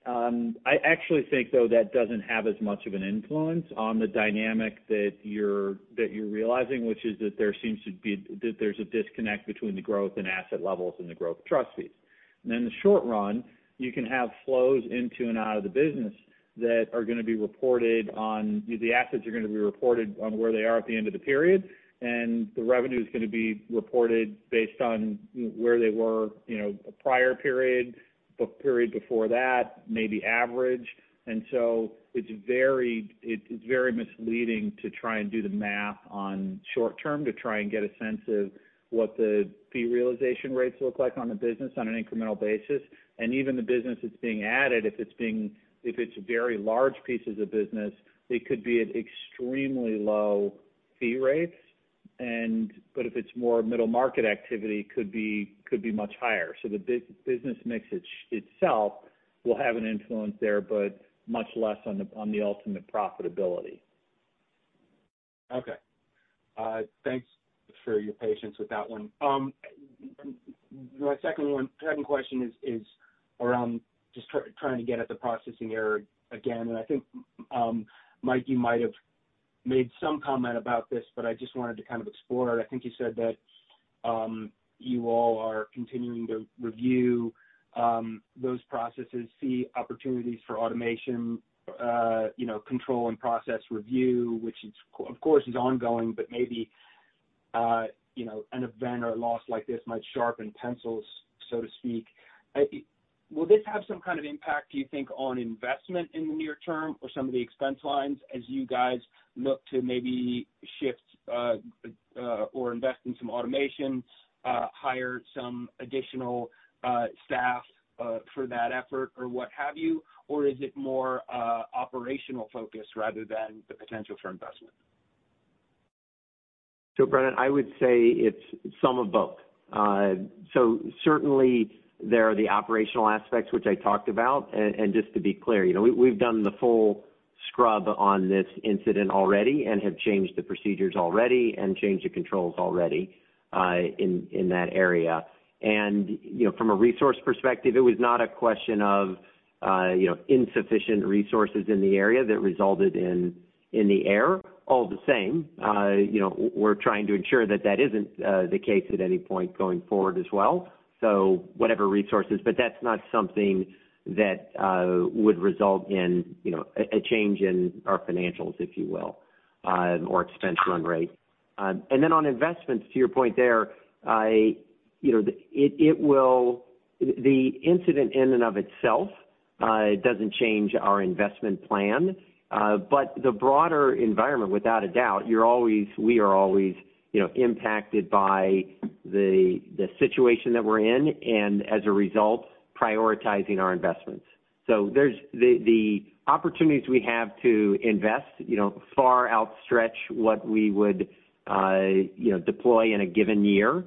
I actually think, though, that doesn't have as much of an influence on the dynamic that you're realizing, which is that there's a disconnect between the growth in asset levels and the growth of trust fees. Then in the short run, you can have flows into and out of the business that are going to be reported on... The assets are going to be reported on where they are at the end of the period, and the revenue is going to be reported based on where they were, you know, a prior period, the period before that, maybe average. So it's very misleading to try and do the math on short-term, to try and get a sense of what the fee realization rates look like on a business on an incremental basis. Even the business that's being added, if it's very large pieces of business, it could be at extremely low fee rates. But if it's more middle-market activity, it could be much higher. So the business mix itself will have an influence there, but much less on the ultimate profitability. Okay. Thanks for your patience with that one. My second question is around just trying to get at the processing error again. I think Mike, you might have made some comment about this, but I just wanted to kind of explore it. I think you said that you all are continuing to review those processes, see opportunities for automation, you know, control and process review, which is, of course, ongoing, but maybe- You know, an event or a loss like this might sharpen pencils, so to speak. Will this have some kind of impact, do you think, on investment in the near term or some of the expense lines as you guys look to maybe shift or invest in some automation, hire some additional staff for that effort or what have you? Or is it more operational focus rather than the potential for investment? So, Brennan, I would say it's some of both. So certainly there are the operational aspects which I talked about. And just to be clear, you know, we've done the full scrub on this incident already and have changed the procedures already and changed the controls already, in that area. And, you know, from a resource perspective, it was not a question of, you know, insufficient resources in the area that resulted in the error. All the same, you know, we're trying to ensure that that isn't the case at any point going forward as well, so whatever resources. But that's not something that would result in, you know, a change in our financials, if you will, or expense run rate. And then on investments, to your point there, you know, the... It will - the incident in and of itself doesn't change our investment plan. But the broader environment, without a doubt, you're always, we are always, you know, impacted by the situation that we're in, and as a result, prioritizing our investments. So there's - the opportunities we have to invest, you know, far outstretch what we would, you know, deploy in a given year.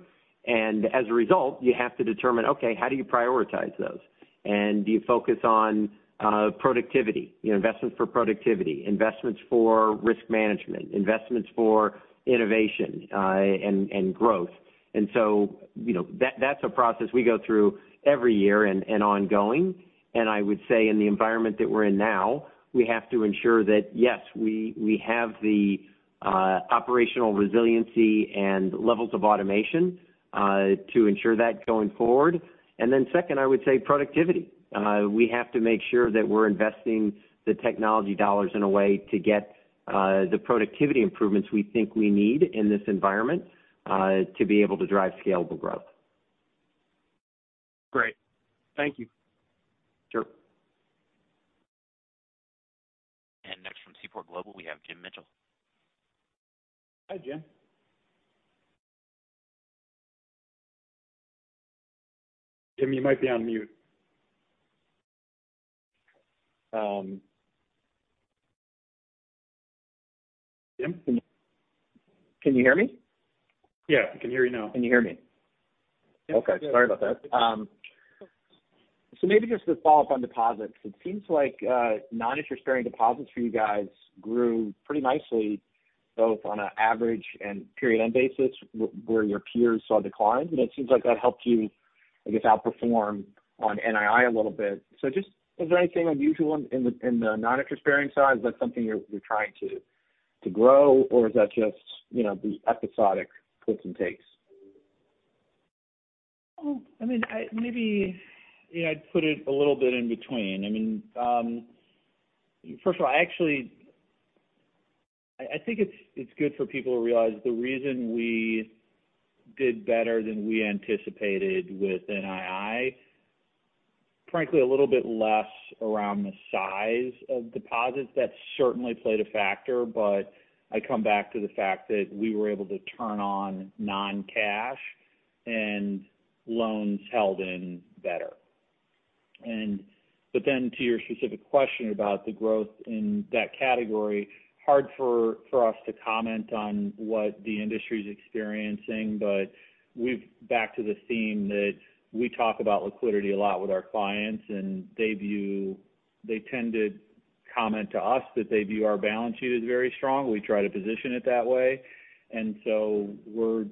And as a result, you have to determine, okay, how do you prioritize those? And do you focus on productivity, you know, investments for productivity, investments for risk management, investments for innovation, and growth? And so, you know, that's a process we go through every year and ongoing. And I would say in the environment that we're in now, we have to ensure that yes we have the operational resiliency and levels of automation to ensure that going forward. And then second, I would say productivity. We have to make sure that we're investing the technology dollars in a way to get the productivity improvements we think we need in this environment to be able to drive scalable growth. Great. Thank you. Sure. Next from Seaport Global, we have Jim Mitchell. Hi, Jim. Jim, you might be on mute. Jim, can you- Can you hear me? Yeah, I can hear you now. Can you hear me? Yes. Okay, sorry about that. So maybe just to follow up on deposits. It seems like non-interest-bearing deposits for you guys grew pretty nicely, both on an average and period-end basis, where your peers saw declines. And it seems like that helped you, I guess, outperform on NII a little bit. So just, is there anything unusual in the non-interest-bearing side? Is that something you're trying to grow, or is that just, you know, the episodic gives and takes? I mean, I maybe, you know, I'd put it a little bit in between. I mean, first of all, I actually think it's good for people to realize the reason we did better than we anticipated with NII, frankly, a little bit less around the size of deposits. That certainly played a factor, but I come back to the fact that we were able to turn on non-cash and loans held in better. But then to your specific question about the growth in that category, hard for us to comment on what the industry's experiencing, but we go back to the theme that we talk about liquidity a lot with our clients, and they tend to comment to us that they view our balance sheet as very strong. We try to position it that way, and so we're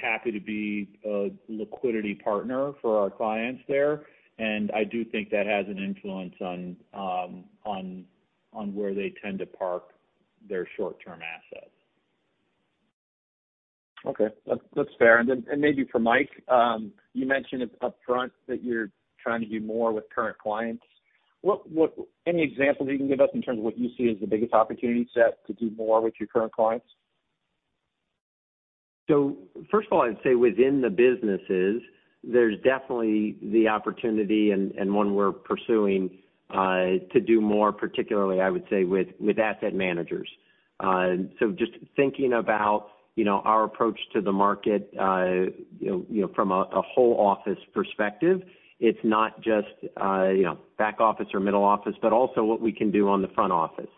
happy to be a liquidity partner for our clients there. And I do think that has an influence on where they tend to park their short-term assets. Okay. That's fair. And then maybe for Mike, you mentioned it upfront that you're trying to do more with current clients. What any examples you can give us in terms of what you see as the biggest opportunity set to do more with your current clients? So first of all, I'd say within the businesses, there's definitely the opportunity and one we're pursuing to do more, particularly, I would say, with asset managers. So just thinking about, you know, our approach to the market, you know, from a whole office perspective, it's not just, you know, back office or middle office, but also what we can do on the front office.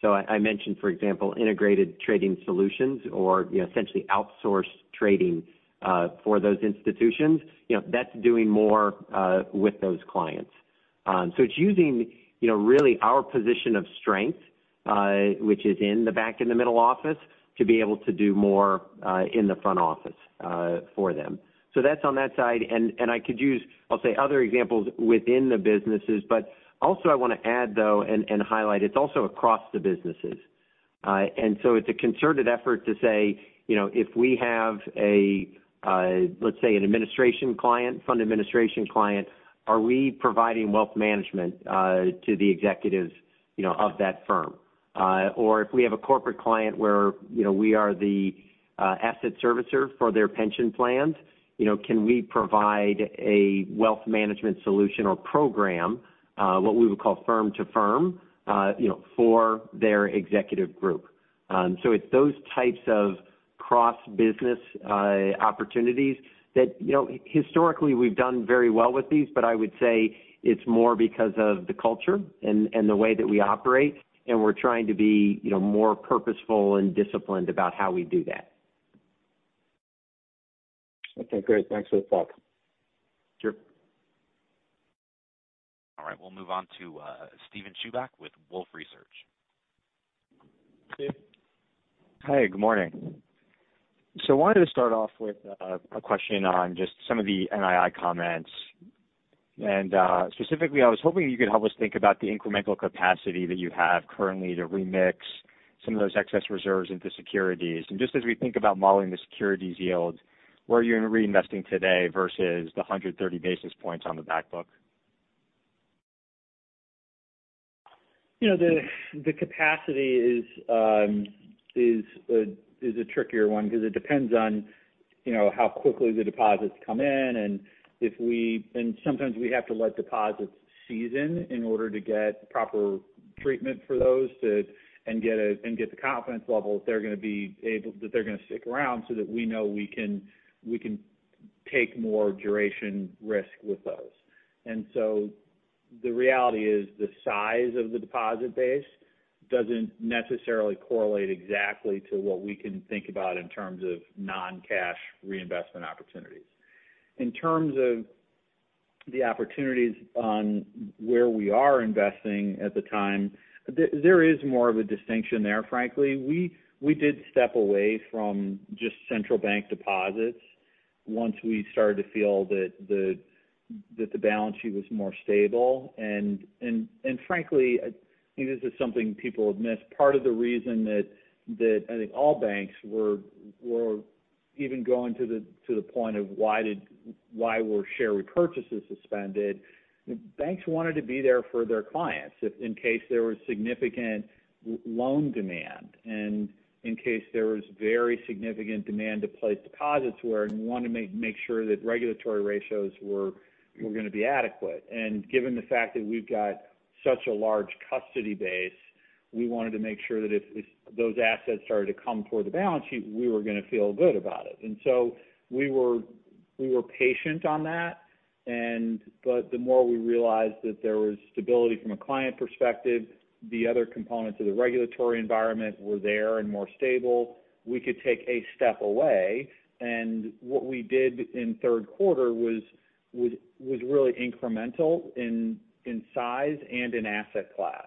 So I mentioned, for example, Integrated Trading Solutions or, you know, essentially outsourced trading for those institutions. You know, that's doing more with those clients. So it's using, you know, really our position of strength, which is in the back and the middle office, to be able to do more in the front office for them. So that's on that side, and I could use, I'll say, other examples within the businesses, but also I want to add, though, and highlight, it's also across the businesses, and so it's a concerted effort to say, you know, if we have a, let's say, an administration client, fund administration client, are we providing wealth management to the executives? You know, of that firm, or if we have a corporate client where, you know, we are the asset servicer for their pension plans, you know, can we provide a wealth management solution or program, what we would call firm to firm, you know, for their executive group, so it's those types of cross-business opportunities that, you know, historically, we've done very well with these, but I would say it's more because of the culture and, and the way that we operate, and we're trying to be, you know, more purposeful and disciplined about how we do that. Okay, great. Thanks for the thought. Sure. All right, we'll move on to Steven Chubak with Wolfe Research. Steve? Hi, good morning. So wanted to start off with a question on just some of the NII comments. And, specifically, I was hoping you could help us think about the incremental capacity that you have currently to remix some of those excess reserves into securities. And just as we think about modeling the securities yields, where are you in reinvesting today versus the 130 basis points on the back book? You know, the capacity is a trickier one because it depends on, you know, how quickly the deposits come in, and sometimes we have to let deposits season in order to get proper treatment for those, and get the confidence level that they're going to stick around so that we know we can take more duration risk with those. The reality is, the size of the deposit base doesn't necessarily correlate exactly to what we can think about in terms of non-cash reinvestment opportunities. In terms of the opportunities on where we are investing at the time, there is more of a distinction there, frankly. We did step away from just central bank deposits once we started to feel that the balance sheet was more stable. And frankly, I think this is something people have missed. Part of the reason that I think all banks were even going to the point of why were share repurchases suspended? Banks wanted to be there for their clients, if in case there was significant loan demand, and in case there was very significant demand to place deposits where, and we wanted to make sure that regulatory ratios were going to be adequate. And given the fact that we've got such a large custody base, we wanted to make sure that if those assets started to come toward the balance sheet, we were going to feel good about it. And so we were patient on that. But the more we realized that there was stability from a client perspective, the other components of the regulatory environment were there and more stable, we could take a step away, and what we did in third quarter was really incremental in size and in asset class.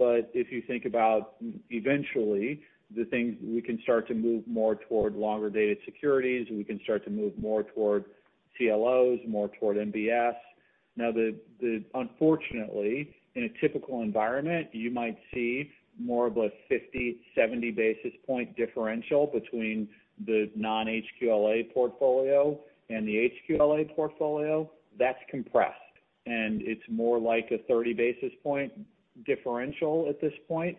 But if you think about eventually, the things we can start to move more toward longer-dated securities, we can start to move more toward CLOs, more toward MBS. Now, unfortunately, in a typical environment, you might see more of a 50 basis point, 70 basis point differential between the non-HQLA portfolio and the HQLA portfolio. That's compressed, and it's more like a 30 basis point differential at this point.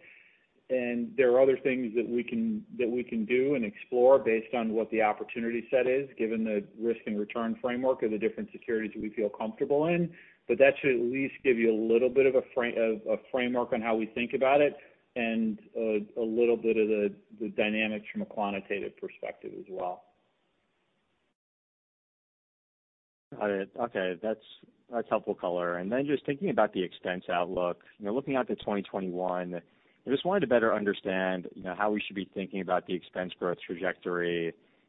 There are other things that we can do and explore based on what the opportunity set is, given the risk and return framework of the different securities that we feel comfortable in. But that should at least give you a little bit of a framework on how we think about it and a little bit of the dynamics from a quantitative perspective as well. Got it. Okay, that's helpful color. And then just thinking about the expense outlook, you know, looking out to 2021, I just wanted to better understand, you know, how we should be thinking about the expense growth trajectory.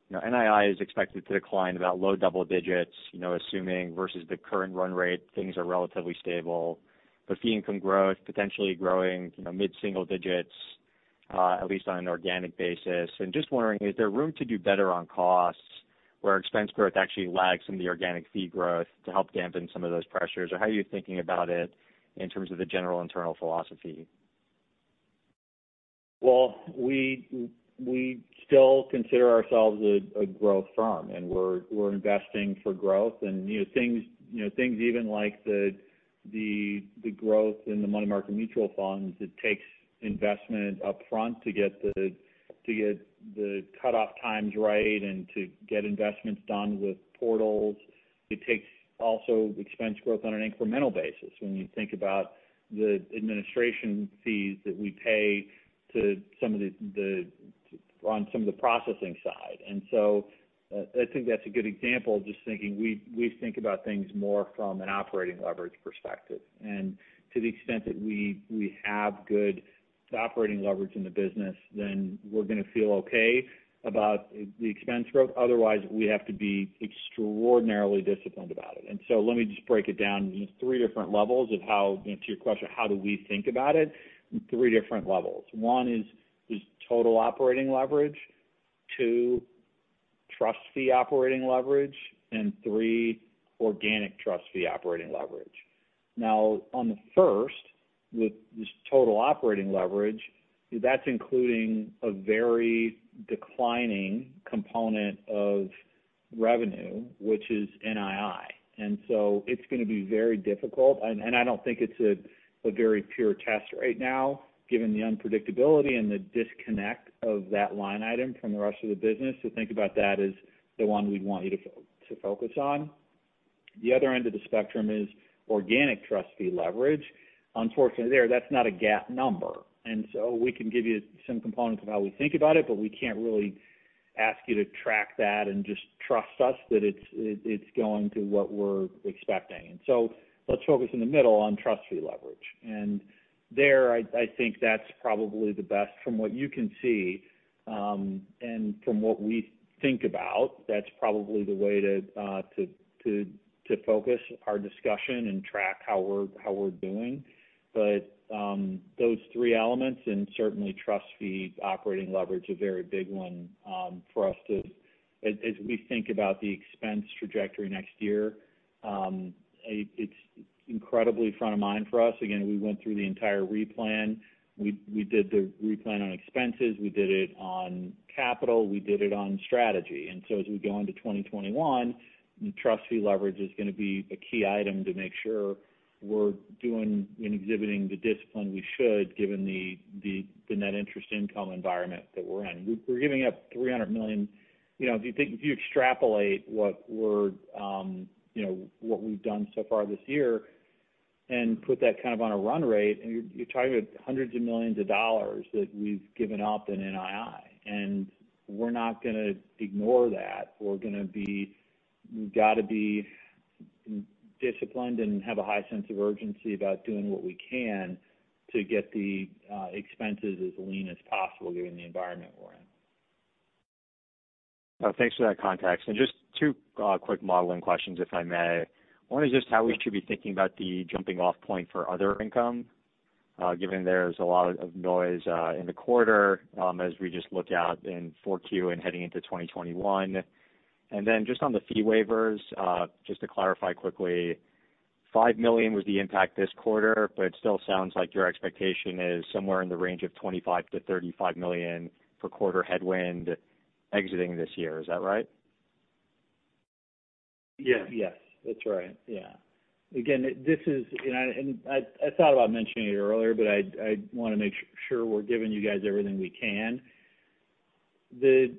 You know, NII is expected to decline about low double digits, you know, assuming versus the current run rate, things are relatively stable. But fee income growth, potentially growing, you know, mid-single digits, at least on an organic basis. And just wondering, is there room to do better on costs, where expense growth actually lags some of the organic fee growth to help dampen some of those pressures? Or how are you thinking about it in terms of the general internal philosophy? Well, we still consider ourselves a growth firm, and we're investing for growth. And you know, things even like the growth in the money market mutual funds, it takes investment upfront to get the cutoff times right and to get investments done with portals. It takes also expense growth on an incremental basis when you think about the administration fees that we pay to some of the on some of the processing side. And so I think that's a good example of just thinking we think about things more from an operating leverage perspective. And to the extent that we have good operating leverage in the business, then we're going to feel okay about the expense growth. Otherwise, we have to be extraordinarily disciplined about it. And so let me just break it down into three different levels of how, you know, to your question, how do we think about it? Three different levels. One is total operating leverage, two, trust fee operating leverage, and three, organic trust fee operating leverage. Now, on the first, with this total operating leverage, that's including a very declining component of revenue, which is NII. And so it's gonna be very difficult, and I don't think it's a very pure test right now, given the unpredictability and the disconnect of that line item from the rest of the business, to think about that as the one we'd want you to to focus on. The other end of the spectrum is organic trust fee leverage. Unfortunately, there, that's not a GAAP number. And so we can give you some components of how we think about it, but we can't really ask you to track that and just trust us that it's going to what we're expecting. And so let's focus in the middle on trust fee leverage. And there, I think that's probably the best from what you can see, and from what we think about, that's probably the way to focus our discussion and track how we're doing. But those three elements, and certainly trust fees, operating leverage, a very big one for us as we think about the expense trajectory next year, it's incredibly front of mind for us. Again, we went through the entire re-plan. We did the re-plan on expenses, we did it on capital, we did it on strategy. As we go into 2021, the trust fee leverage is gonna be a key item to make sure we're doing and exhibiting the discipline we should, given the net interest income environment that we're in. We're giving up $300 million. If you extrapolate what we've done so far this year and put that kind of on a run rate, and you're talking about hundreds of millions of dollars that we've given up in NII, and we're not gonna ignore that. We've got to be more disciplined and have a high sense of urgency about doing what we can to get the expenses as lean as possible, given the environment we're in. Thanks for that context. And just two quick modeling questions, if I may. One is just how we should be thinking about the jumping off point for other income, given there's a lot of noise in the quarter, as we just look out in 4Q and heading into 2021. And then just on the fee waivers, just to clarify quickly, $5 million was the impact this quarter, but it still sounds like your expectation is somewhere in the range of $25 million-$35 million per quarter headwind exiting this year. Is that right? Yes. Yes, that's right. Yeah. Again, this is, and I thought about mentioning it earlier, but I want to make sure we're giving you guys everything we can. The.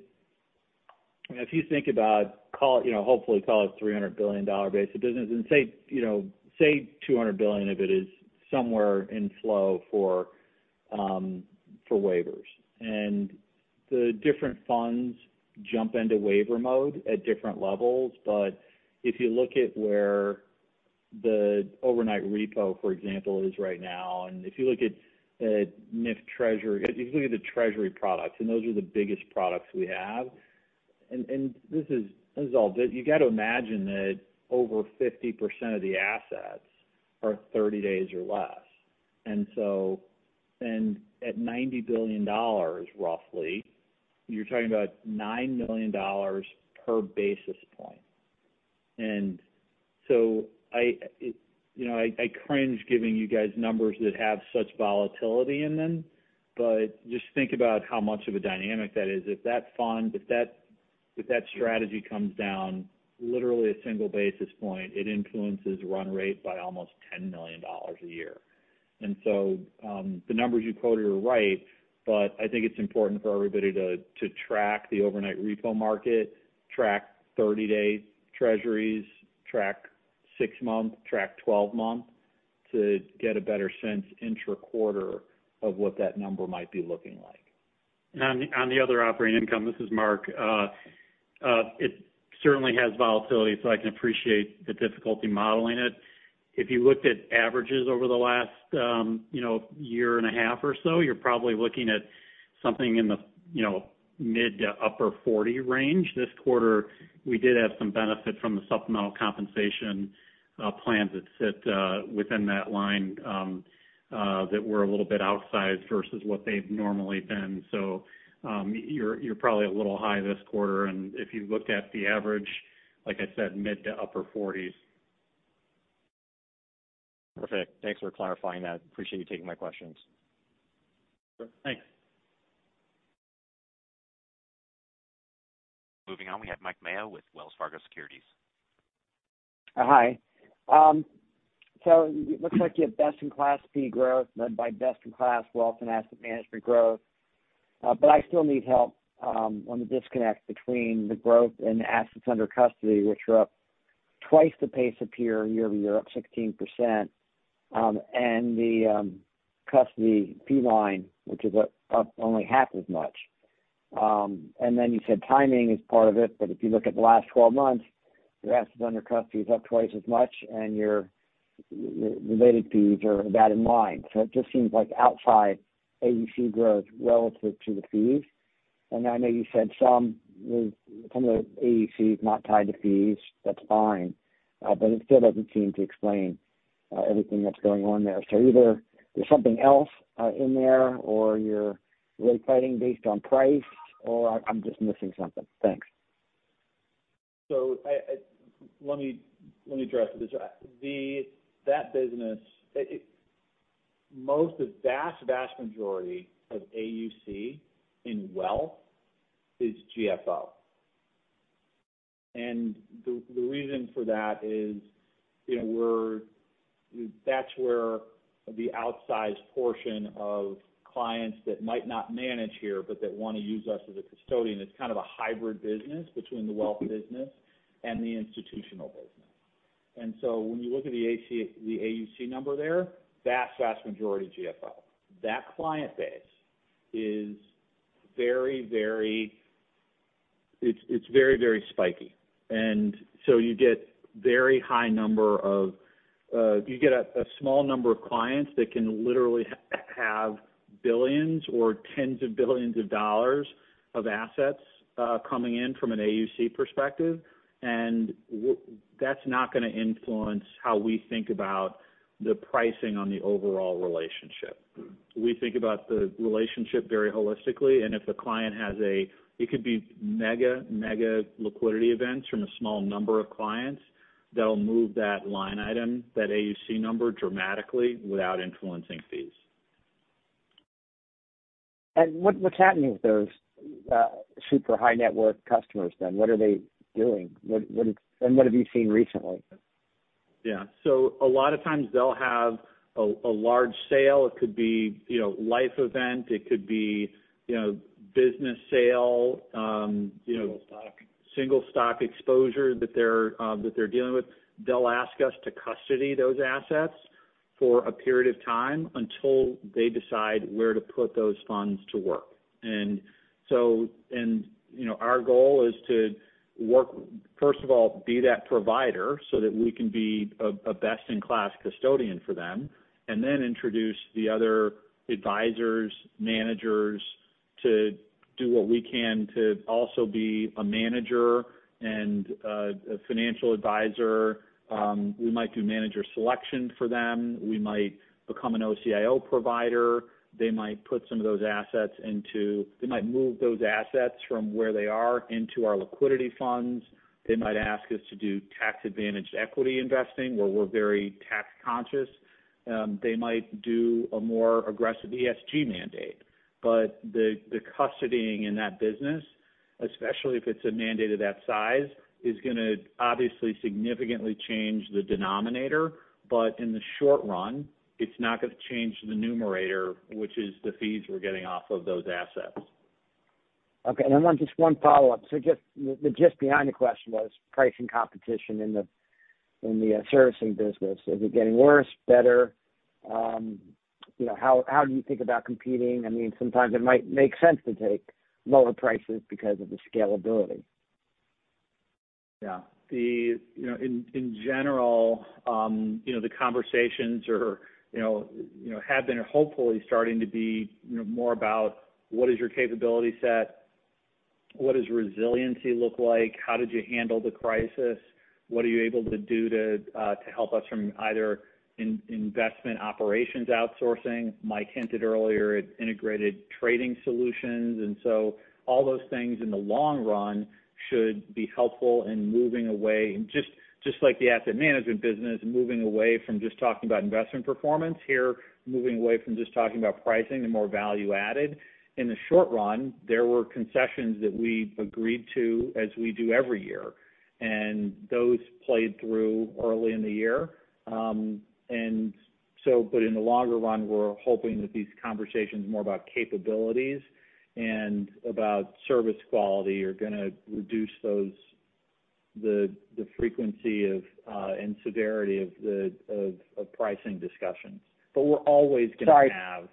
If you think about, call it $300 billion dollar base of business and say, you know, say $200 billion of it is somewhere in flow for waivers. And the different funds jump into waiver mode at different levels. But if you look at where the overnight repo, for example, is right now, and if you look at NIF Treasury, if you look at the Treasury products, and those are the biggest products we have. And this is all that. You got to imagine that over 50% of the assets are 30 days or less. At $90 billion, roughly, you're talking about $9 million per basis point. I, you know, I cringe giving you guys numbers that have such volatility in them, but just think about how much of a dynamic that is. If that fund, if that strategy comes down literally a single basis point, it influences run rate by almost $10 million a year. The numbers you quoted are right, but I think it's important for everybody to track the overnight repo market, track 30-day Treasuries, track 6 months, track 12 months, to get a better sense intra-quarter of what that number might be looking like. On the other operating income, this is Mark. It certainly has volatility, so I can appreciate the difficulty modeling it. If you looked at averages over the last, you know, year and a half or so, you're probably looking at something in the, you know, mid to upper forty range. This quarter, we did have some benefit from the supplemental compensation plans that sit within that line that were a little bit outsized versus what they've normally been. So, you're probably a little high this quarter, and if you looked at the average, like I said, mid to upper forties. Perfect. Thanks for clarifying that. Appreciate you taking my questions. Sure. Thanks. Moving on, we have Mike Mayo with Wells Fargo Securities. Hi. So it looks like you have best-in-class fee growth, led by best-in-class wealth and asset management growth. But I still need help on the disconnect between the growth and the assets under custody, which are up twice the pace of peer, year-over-year, up 16%, and the custody fee line, which is up only half as much, and then you said timing is part of it, but if you look at the last twelve months, your assets under custody is up twice as much, and your related fees are about in line, so it just seems like outside AUC growth relative to the fees, and I know you said some of the AUC is not tied to fees. That's fine, but it still doesn't seem to explain everything that's going on there. So either there's something else in there, or you're really fighting based on price, or I'm just missing something. Thanks. So let me address this. That business, the vast majority of AUC in wealth is GFO. And the reason for that is, you know, that's where the outsized portion of clients that might not manage here, but that want to use us as a custodian, it's kind of a hybrid business between the wealth business and the institutional business. And so when you look at the AUC number there, vast majority GFO. That client base is very, very spiky. You get a small number of clients that can literally have billions or tens of billions of dollars of assets coming in from an AUC perspective, and that's not going to influence how we think about the pricing on the overall relationship. We think about the relationship very holistically, and if a client has it could be mega liquidity events from a small number of clients, that'll move that line item, that AUC number dramatically without influencing fees. What, what's happening with those super high net worth customers then? What are they doing? What have you seen recently? Yeah. So a lot of times they'll have a large sale. It could be, you know, life event, it could be, you know, business sale, you know- Single stock. Single stock exposure that they're dealing with. They'll ask us to custody those assets for a period of time until they decide where to put those funds to work. And so, you know, our goal is to work. First of all, be that provider so that we can be a best-in-class custodian for them, and then introduce the other advisors, managers, to do what we can to also be a manager and a financial advisor. We might do manager selection for them. We might become an OCIO provider. They might put some of those assets into- they might move those assets from where they are into our liquidity funds. They might ask us to do tax-advantaged equity investing, where we're very tax conscious. They might do a more aggressive ESG mandate. But the custodying in that business, especially if it's a mandate of that size, is gonna obviously significantly change the denominator, but in the short run, it's not going to change the numerator, which is the fees we're getting off of those assets. Okay, and I want just one follow-up. So just the gist behind the question was pricing competition in the servicing business. Is it getting worse, better? You know, how do you think about competing? I mean, sometimes it might make sense to take lower prices because of the scalability. Yeah. The, you know, in general, the conversations are, you know, you know, have been hopefully starting to be, you know, more about what is your capability set? What does resiliency look like? How did you handle the crisis? What are you able to do to help us from either investment operations outsourcing? Mike hinted earlier at Integrated Trading Solutions. And so all those things in the long run should be helpful in moving away and just like the asset management business, moving away from just talking about investment performance, here, moving away from just talking about pricing and more value added. In the short run, there were concessions that we agreed to, as we do every year, and those played through early in the year. And so, but in the longer run, we're hoping that these conversations more about capabilities and about service quality are gonna reduce those, the frequency of and severity of the pricing discussions. But we're always going to have-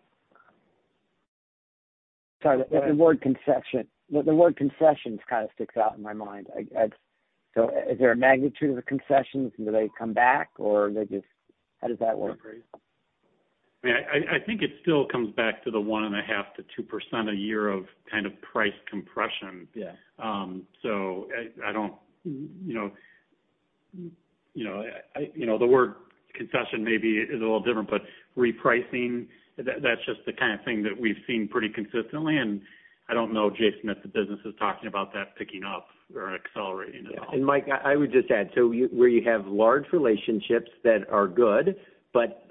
Sorry. Sorry, the word concession, the word concessions kind of sticks out in my mind. So is there a magnitude of the concessions, and do they come back or they just. How does that work? I think it still comes back to the 1.5%-2% a year of kind of price compression. Yeah. So, you know, the word concession maybe is a little different, but repricing, that's just the kind of thing that we've seen pretty consistently, and I don't know, Jason, if the business is talking about that picking up or accelerating at all. Yeah. And Mike, I would just add, so where you have large relationships that are good, but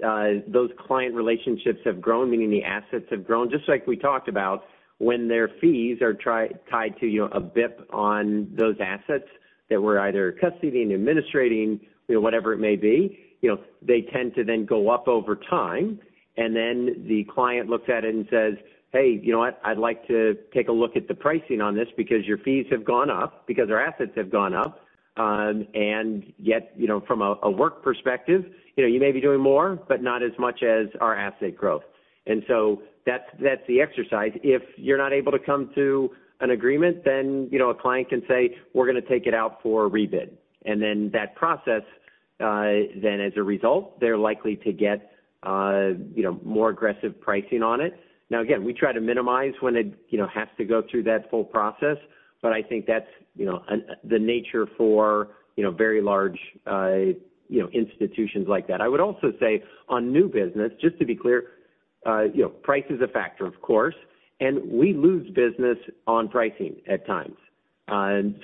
those client relationships have grown, meaning the assets have grown, just like we talked about, when their fees are tied to, you know, a basis point on those assets that we're either custodying, administrating, you know, whatever it may be, you know, they tend to then go up over time, and then the client looks at it and says, "Hey, you know what? I'd like to take a look at the pricing on this because your fees have gone up, because our assets have gone up, and yet, you know, from a work perspective, you know, you may be doing more, but not as much as our asset growth." And so that's the exercise. If you're not able to come to an agreement, then, you know, a client can say, "We're going to take it out for rebid." And then that process, then as a result, they're likely to get, you know, more aggressive pricing on it. Now, again, we try to minimize when it, you know, has to go through that full process, but I think that's, you know, the nature for, you know, very large, institutions like that. I would also say on new business, just to be clear, you know, price is a factor, of course, and we lose business on pricing at times.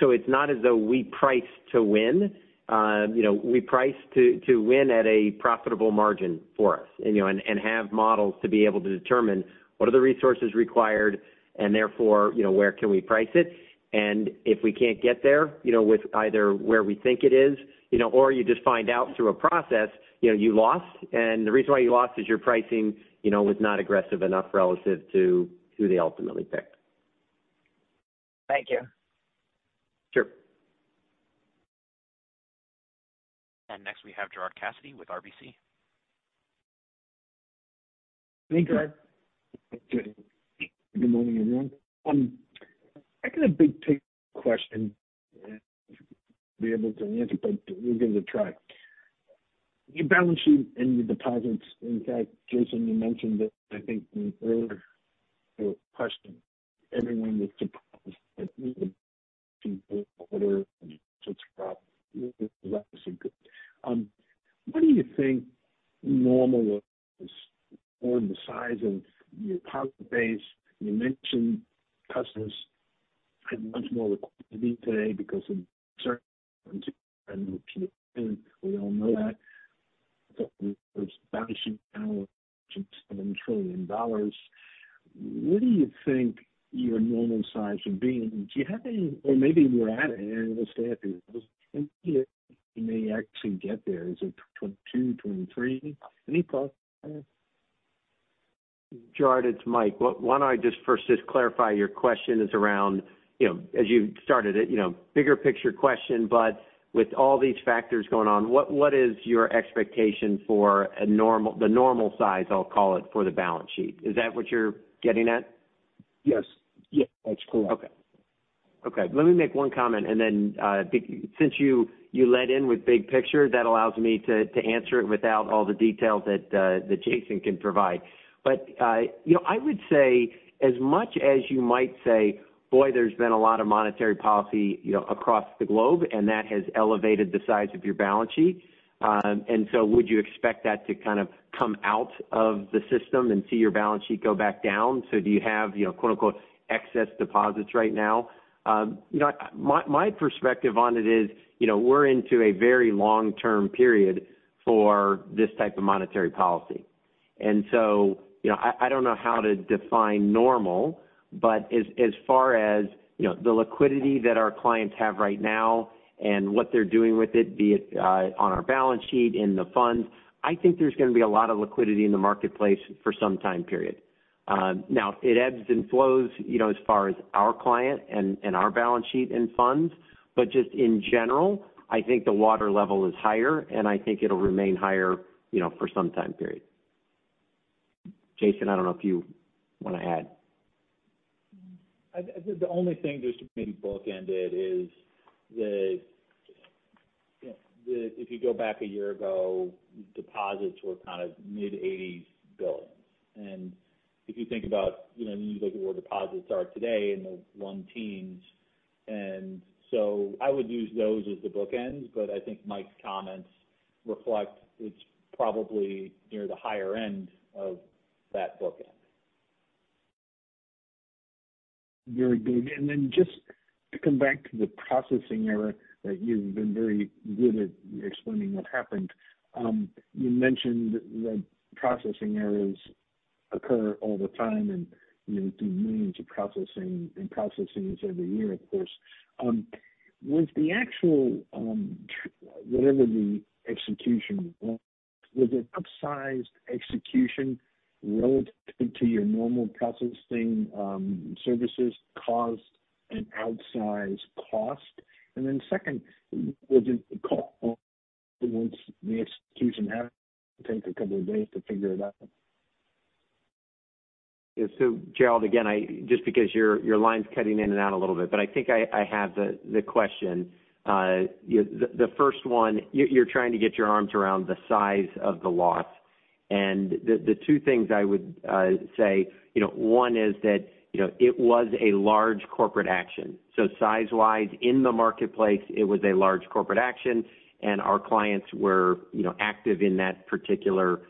So it's not as though we price to win. You know, we price to win at a profitable margin for us, and, you know, have models to be able to determine what are the resources required, and therefore, you know, where can we price it? And if we can't get there, you know, with either where we think it is, you know, or you just find out through a process, you know, you lost, and the reason why you lost is your pricing, you know, was not aggressive enough relative to who they ultimately picked. Thank you. Sure. Next, we have Gerard Cassidy with RBC. Hey, Gerard. Good morning, everyone. I got a big picture question, and be able to answer, but we'll give it a try. Your balance sheet and your deposits, in fact, Jason, you mentioned it, I think, in the earlier question. Everyone was surprised at the order, so it's got some good. What do you think normal is, or the size of your deposit base? You mentioned customers had much more liquidity today because of certain, and we all know that. But with balance sheet now $7 trillion, what do you think your normal size would be? And do you have any or maybe you're at it, and it'll stay at these. And you may actually get there. Is it 22, 23? Any thoughts? Gerard, it's Mike. Well, why don't I just first just clarify, your question is around, you know, as you started it, you know, bigger picture question, but with all these factors going on, what is your expectation for a normal, the normal size, I'll call it, for the balance sheet? Is that what you're getting at? Yes. Yes, that's correct. Okay. Okay, let me make one comment, and then, since you led in with big picture, that allows me to answer it without all the detail that Jason can provide. But, you know, I would say, as much as you might say, "Boy, there's been a lot of monetary policy, you know, across the globe," and that has elevated the size of your balance sheet. And so would you expect that to kind of come out of the system and see your balance sheet go back down? So do you have, you know, quote, unquote, "excess deposits" right now? You know, my perspective on it is, you know, we're into a very long-term period for this type of monetary policy. And so, you know, I don't know how to define normal, but as far as, you know, the liquidity that our clients have right now and what they're doing with it, be it on our balance sheet, in the funds, I think there's gonna be a lot of liquidity in the marketplace for some time period. Now, it ebbs and flows, you know, as far as our client and our balance sheet and funds, but just in general, I think the water level is higher, and I think it'll remain higher, you know, for some time period. Jason, I don't know if you want to add. I think the only thing just to maybe bookend it is that, you know, that if you go back a year ago, deposits were kind of mid-80s billions. And if you think about, you know, when you look at where deposits are today in the 110s, and so I would use those as the bookends, but I think Mike's comments reflect it's probably near the higher end of that bookend. Very good. And then just to come back to the processing error, that you've been very good at explaining what happened. You mentioned that processing errors occur all the time, and, you know, do millions of processing and processings every year, of course. Was the actual whatever the execution was, was it upsized execution relative to your normal processing services caused an outsized cost? And then second, was it, once the execution happened, take a couple of days to figure it out? Yeah, so Gerard, again, just because your line's cutting in and out a little bit, but I think I have the question. The first one, you're trying to get your arms around the size of the loss, and the two things I would say, you know, one is that, you know, it was a large corporate action. So size-wise, in the marketplace, it was a large corporate action, and our clients were, you know, active in that particular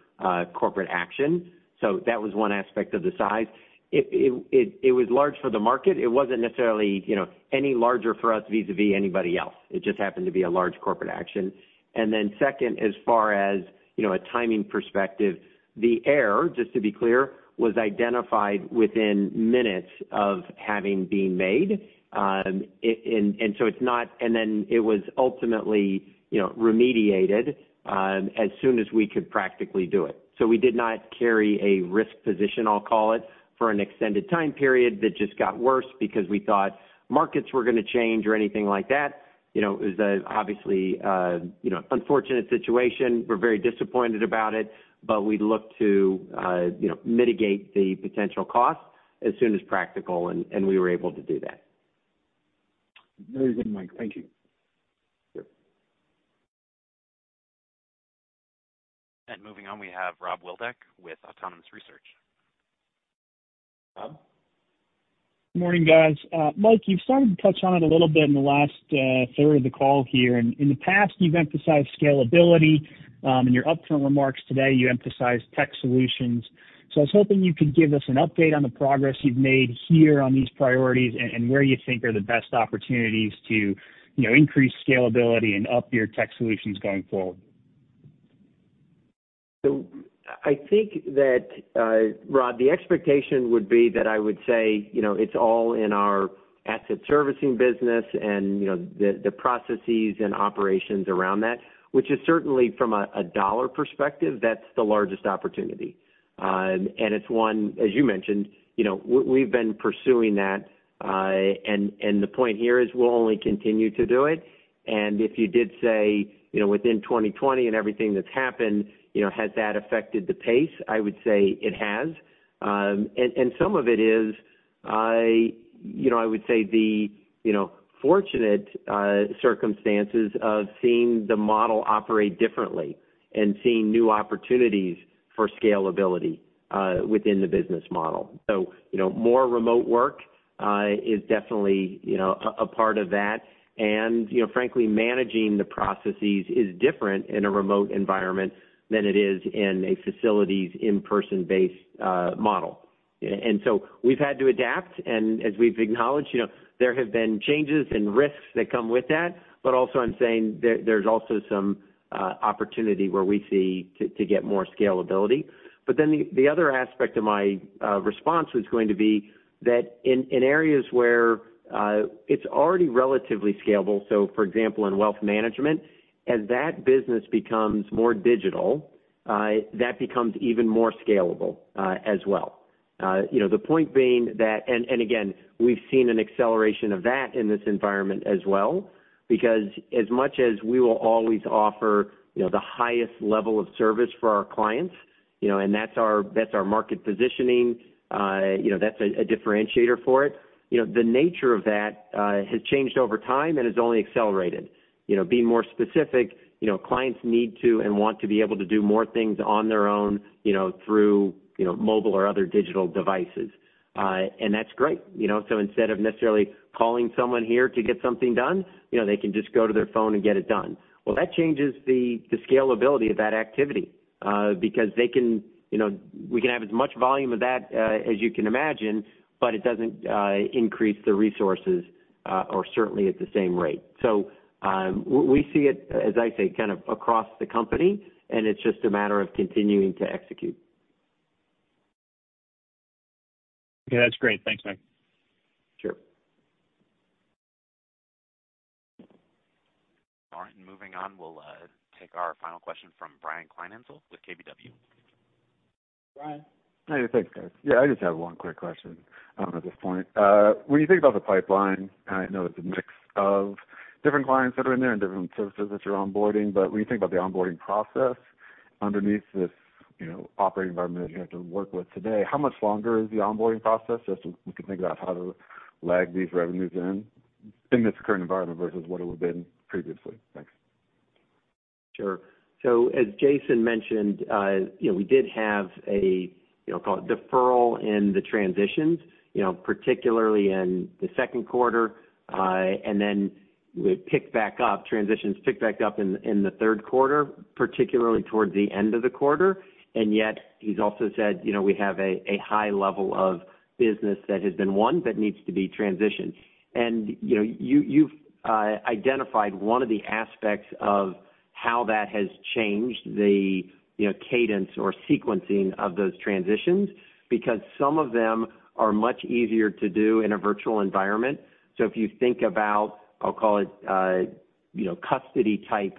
corporate action. So that was one aspect of the size. It was large for the market. It wasn't necessarily, you know, any larger for us vis-a-vis anybody else. It just happened to be a large corporate action. Then second, as far as, you know, a timing perspective, the error, just to be clear, was identified within minutes of having been made. And so it's not, and then it was ultimately, you know, remediated as soon as we could practically do it. So we did not carry a risk position, I'll call it, for an extended time period that just got worse because we thought markets were gonna change or anything like that. You know, it was obviously, you know, unfortunate situation. We're very disappointed about it, but we look to, you know, mitigate the potential costs as soon as practical, and we were able to do that. Very good, Mike. Thank you. Sure. And moving on, we have Rob Wildhack with Autonomous Research. Rob? Good morning, guys. Mike, you've started to touch on it a little bit in the last third of the call here, and in the past, you've emphasized scalability. In your upfront remarks today, you emphasized tech solutions. So I was hoping you could give us an update on the progress you've made here on these priorities and where you think are the best opportunities to, you know, increase scalability and up your tech solutions going forward. So I think that, Rob, the expectation would be that I would say, you know, it's all in our asset servicing business and, you know, the processes and operations around that, which is certainly from a dollar perspective, that's the largest opportunity. And it's one, as you mentioned, you know, we've been pursuing that, and the point here is we'll only continue to do it. If you did say, you know, within 2020 and everything that's happened, you know, has that affected the pace? I would say it has. And some of it is, you know, I would say the, you know, fortunate circumstances of seeing the model operate differently and seeing new opportunities for scalability within the business model. So, you know, more remote work is definitely, you know, a part of that. You know, frankly, managing the processes is different in a remote environment than it is in a facilities in-person based model. So we've had to adapt, and as we've acknowledged, you know, there have been changes and risks that come with that, but also I'm saying there, there's also some opportunity where we see to get more scalability. Then the other aspect of my response was going to be that in areas where it's already relatively scalable, so for example, in wealth management, as that business becomes more digital, that becomes even more scalable as well. You know, the point being that... Again, we've seen an acceleration of that in this environment as well, because as much as we will always offer, you know, the highest level of service for our clients, you know, and that's our market positioning, you know, that's a differentiator for it. You know, the nature of that has changed over time and has only accelerated. You know, being more specific, you know, clients need to and want to be able to do more things on their own, you know, through you know mobile or other digital devices, and that's great, you know, so instead of necessarily calling someone here to get something done, you know, they can just go to their phone and get it done. Well, that changes the scalability of that activity, because they can, you know, we can have as much volume of that as you can imagine, but it doesn't increase the resources or certainly at the same rate. So, we see it, as I say, kind of across the company, and it's just a matter of continuing to execute. Okay, that's great. Thanks, man. Sure. All right, and moving on, we'll take our final question from Brian Kleinhanzl with KBW. Brian? Hey, thanks, guys. Yeah, I just have one quick question at this point. When you think about the pipeline, I know it's a mix of different clients that are in there and different services that you're onboarding, but when you think about the onboarding process underneath this, you know, operating environment that you have to work with today, how much longer is the onboarding process, just so we can think about how to lag these revenues in this current environment versus what it would have been previously? Thanks. Sure. So as Jason mentioned, you know, we did have a you know call it deferral in the transitions, you know, particularly in the second quarter, and then it picked back up, transitions picked back up in the third quarter, particularly towards the end of the quarter. And yet he's also said, you know, we have a high level of business that has been won, but needs to be transitioned. And, you know, you, you've identified one of the aspects of how that has changed the you know cadence or sequencing of those transitions, because some of them are much easier to do in a virtual environment. So if you think about, I'll call it you know custody-type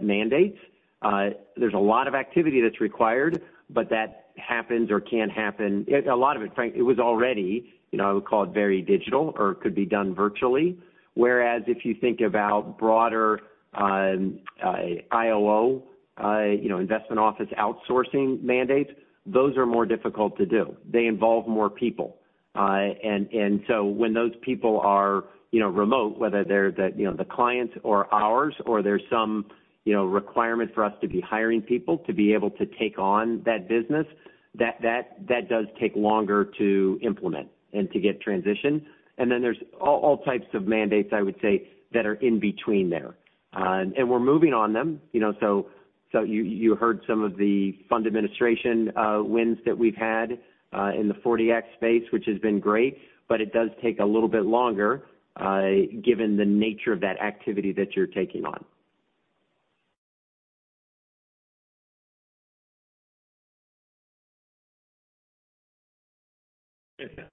mandates, there's a lot of activity that's required, but that happens or can happen. A lot of it, frankly, it was already, you know, I would call it very digital or could be done virtually. Whereas if you think about broader, IOO, you know, investment office outsourcing mandates, those are more difficult to do. They involve more people. And so when those people are, you know, remote, whether they're the, you know, the clients or ours or there's some, you know, requirement for us to be hiring people to be able to take on that business, that does take longer to implement and to get transitioned. And then there's all types of mandates, I would say, that are in between there. And we're moving on them, you know, so you heard some of the fund administration wins that we've had in the 40 Act space, which has been great, but it does take a little bit longer given the nature of that activity that you're taking on. Okay.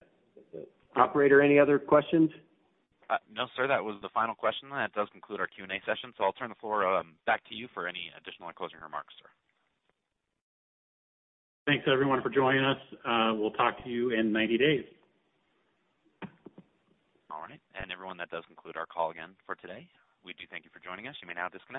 Operator, any other questions? No, sir. That was the final question. That does conclude our Q&A session, so I'll turn the floor back to you for any additional or closing remarks, sir. Thanks, everyone, for joining us. We'll talk to you in ninety days. All right. And everyone, that does conclude our call again for today. We do thank you for joining us. You may now disconnect.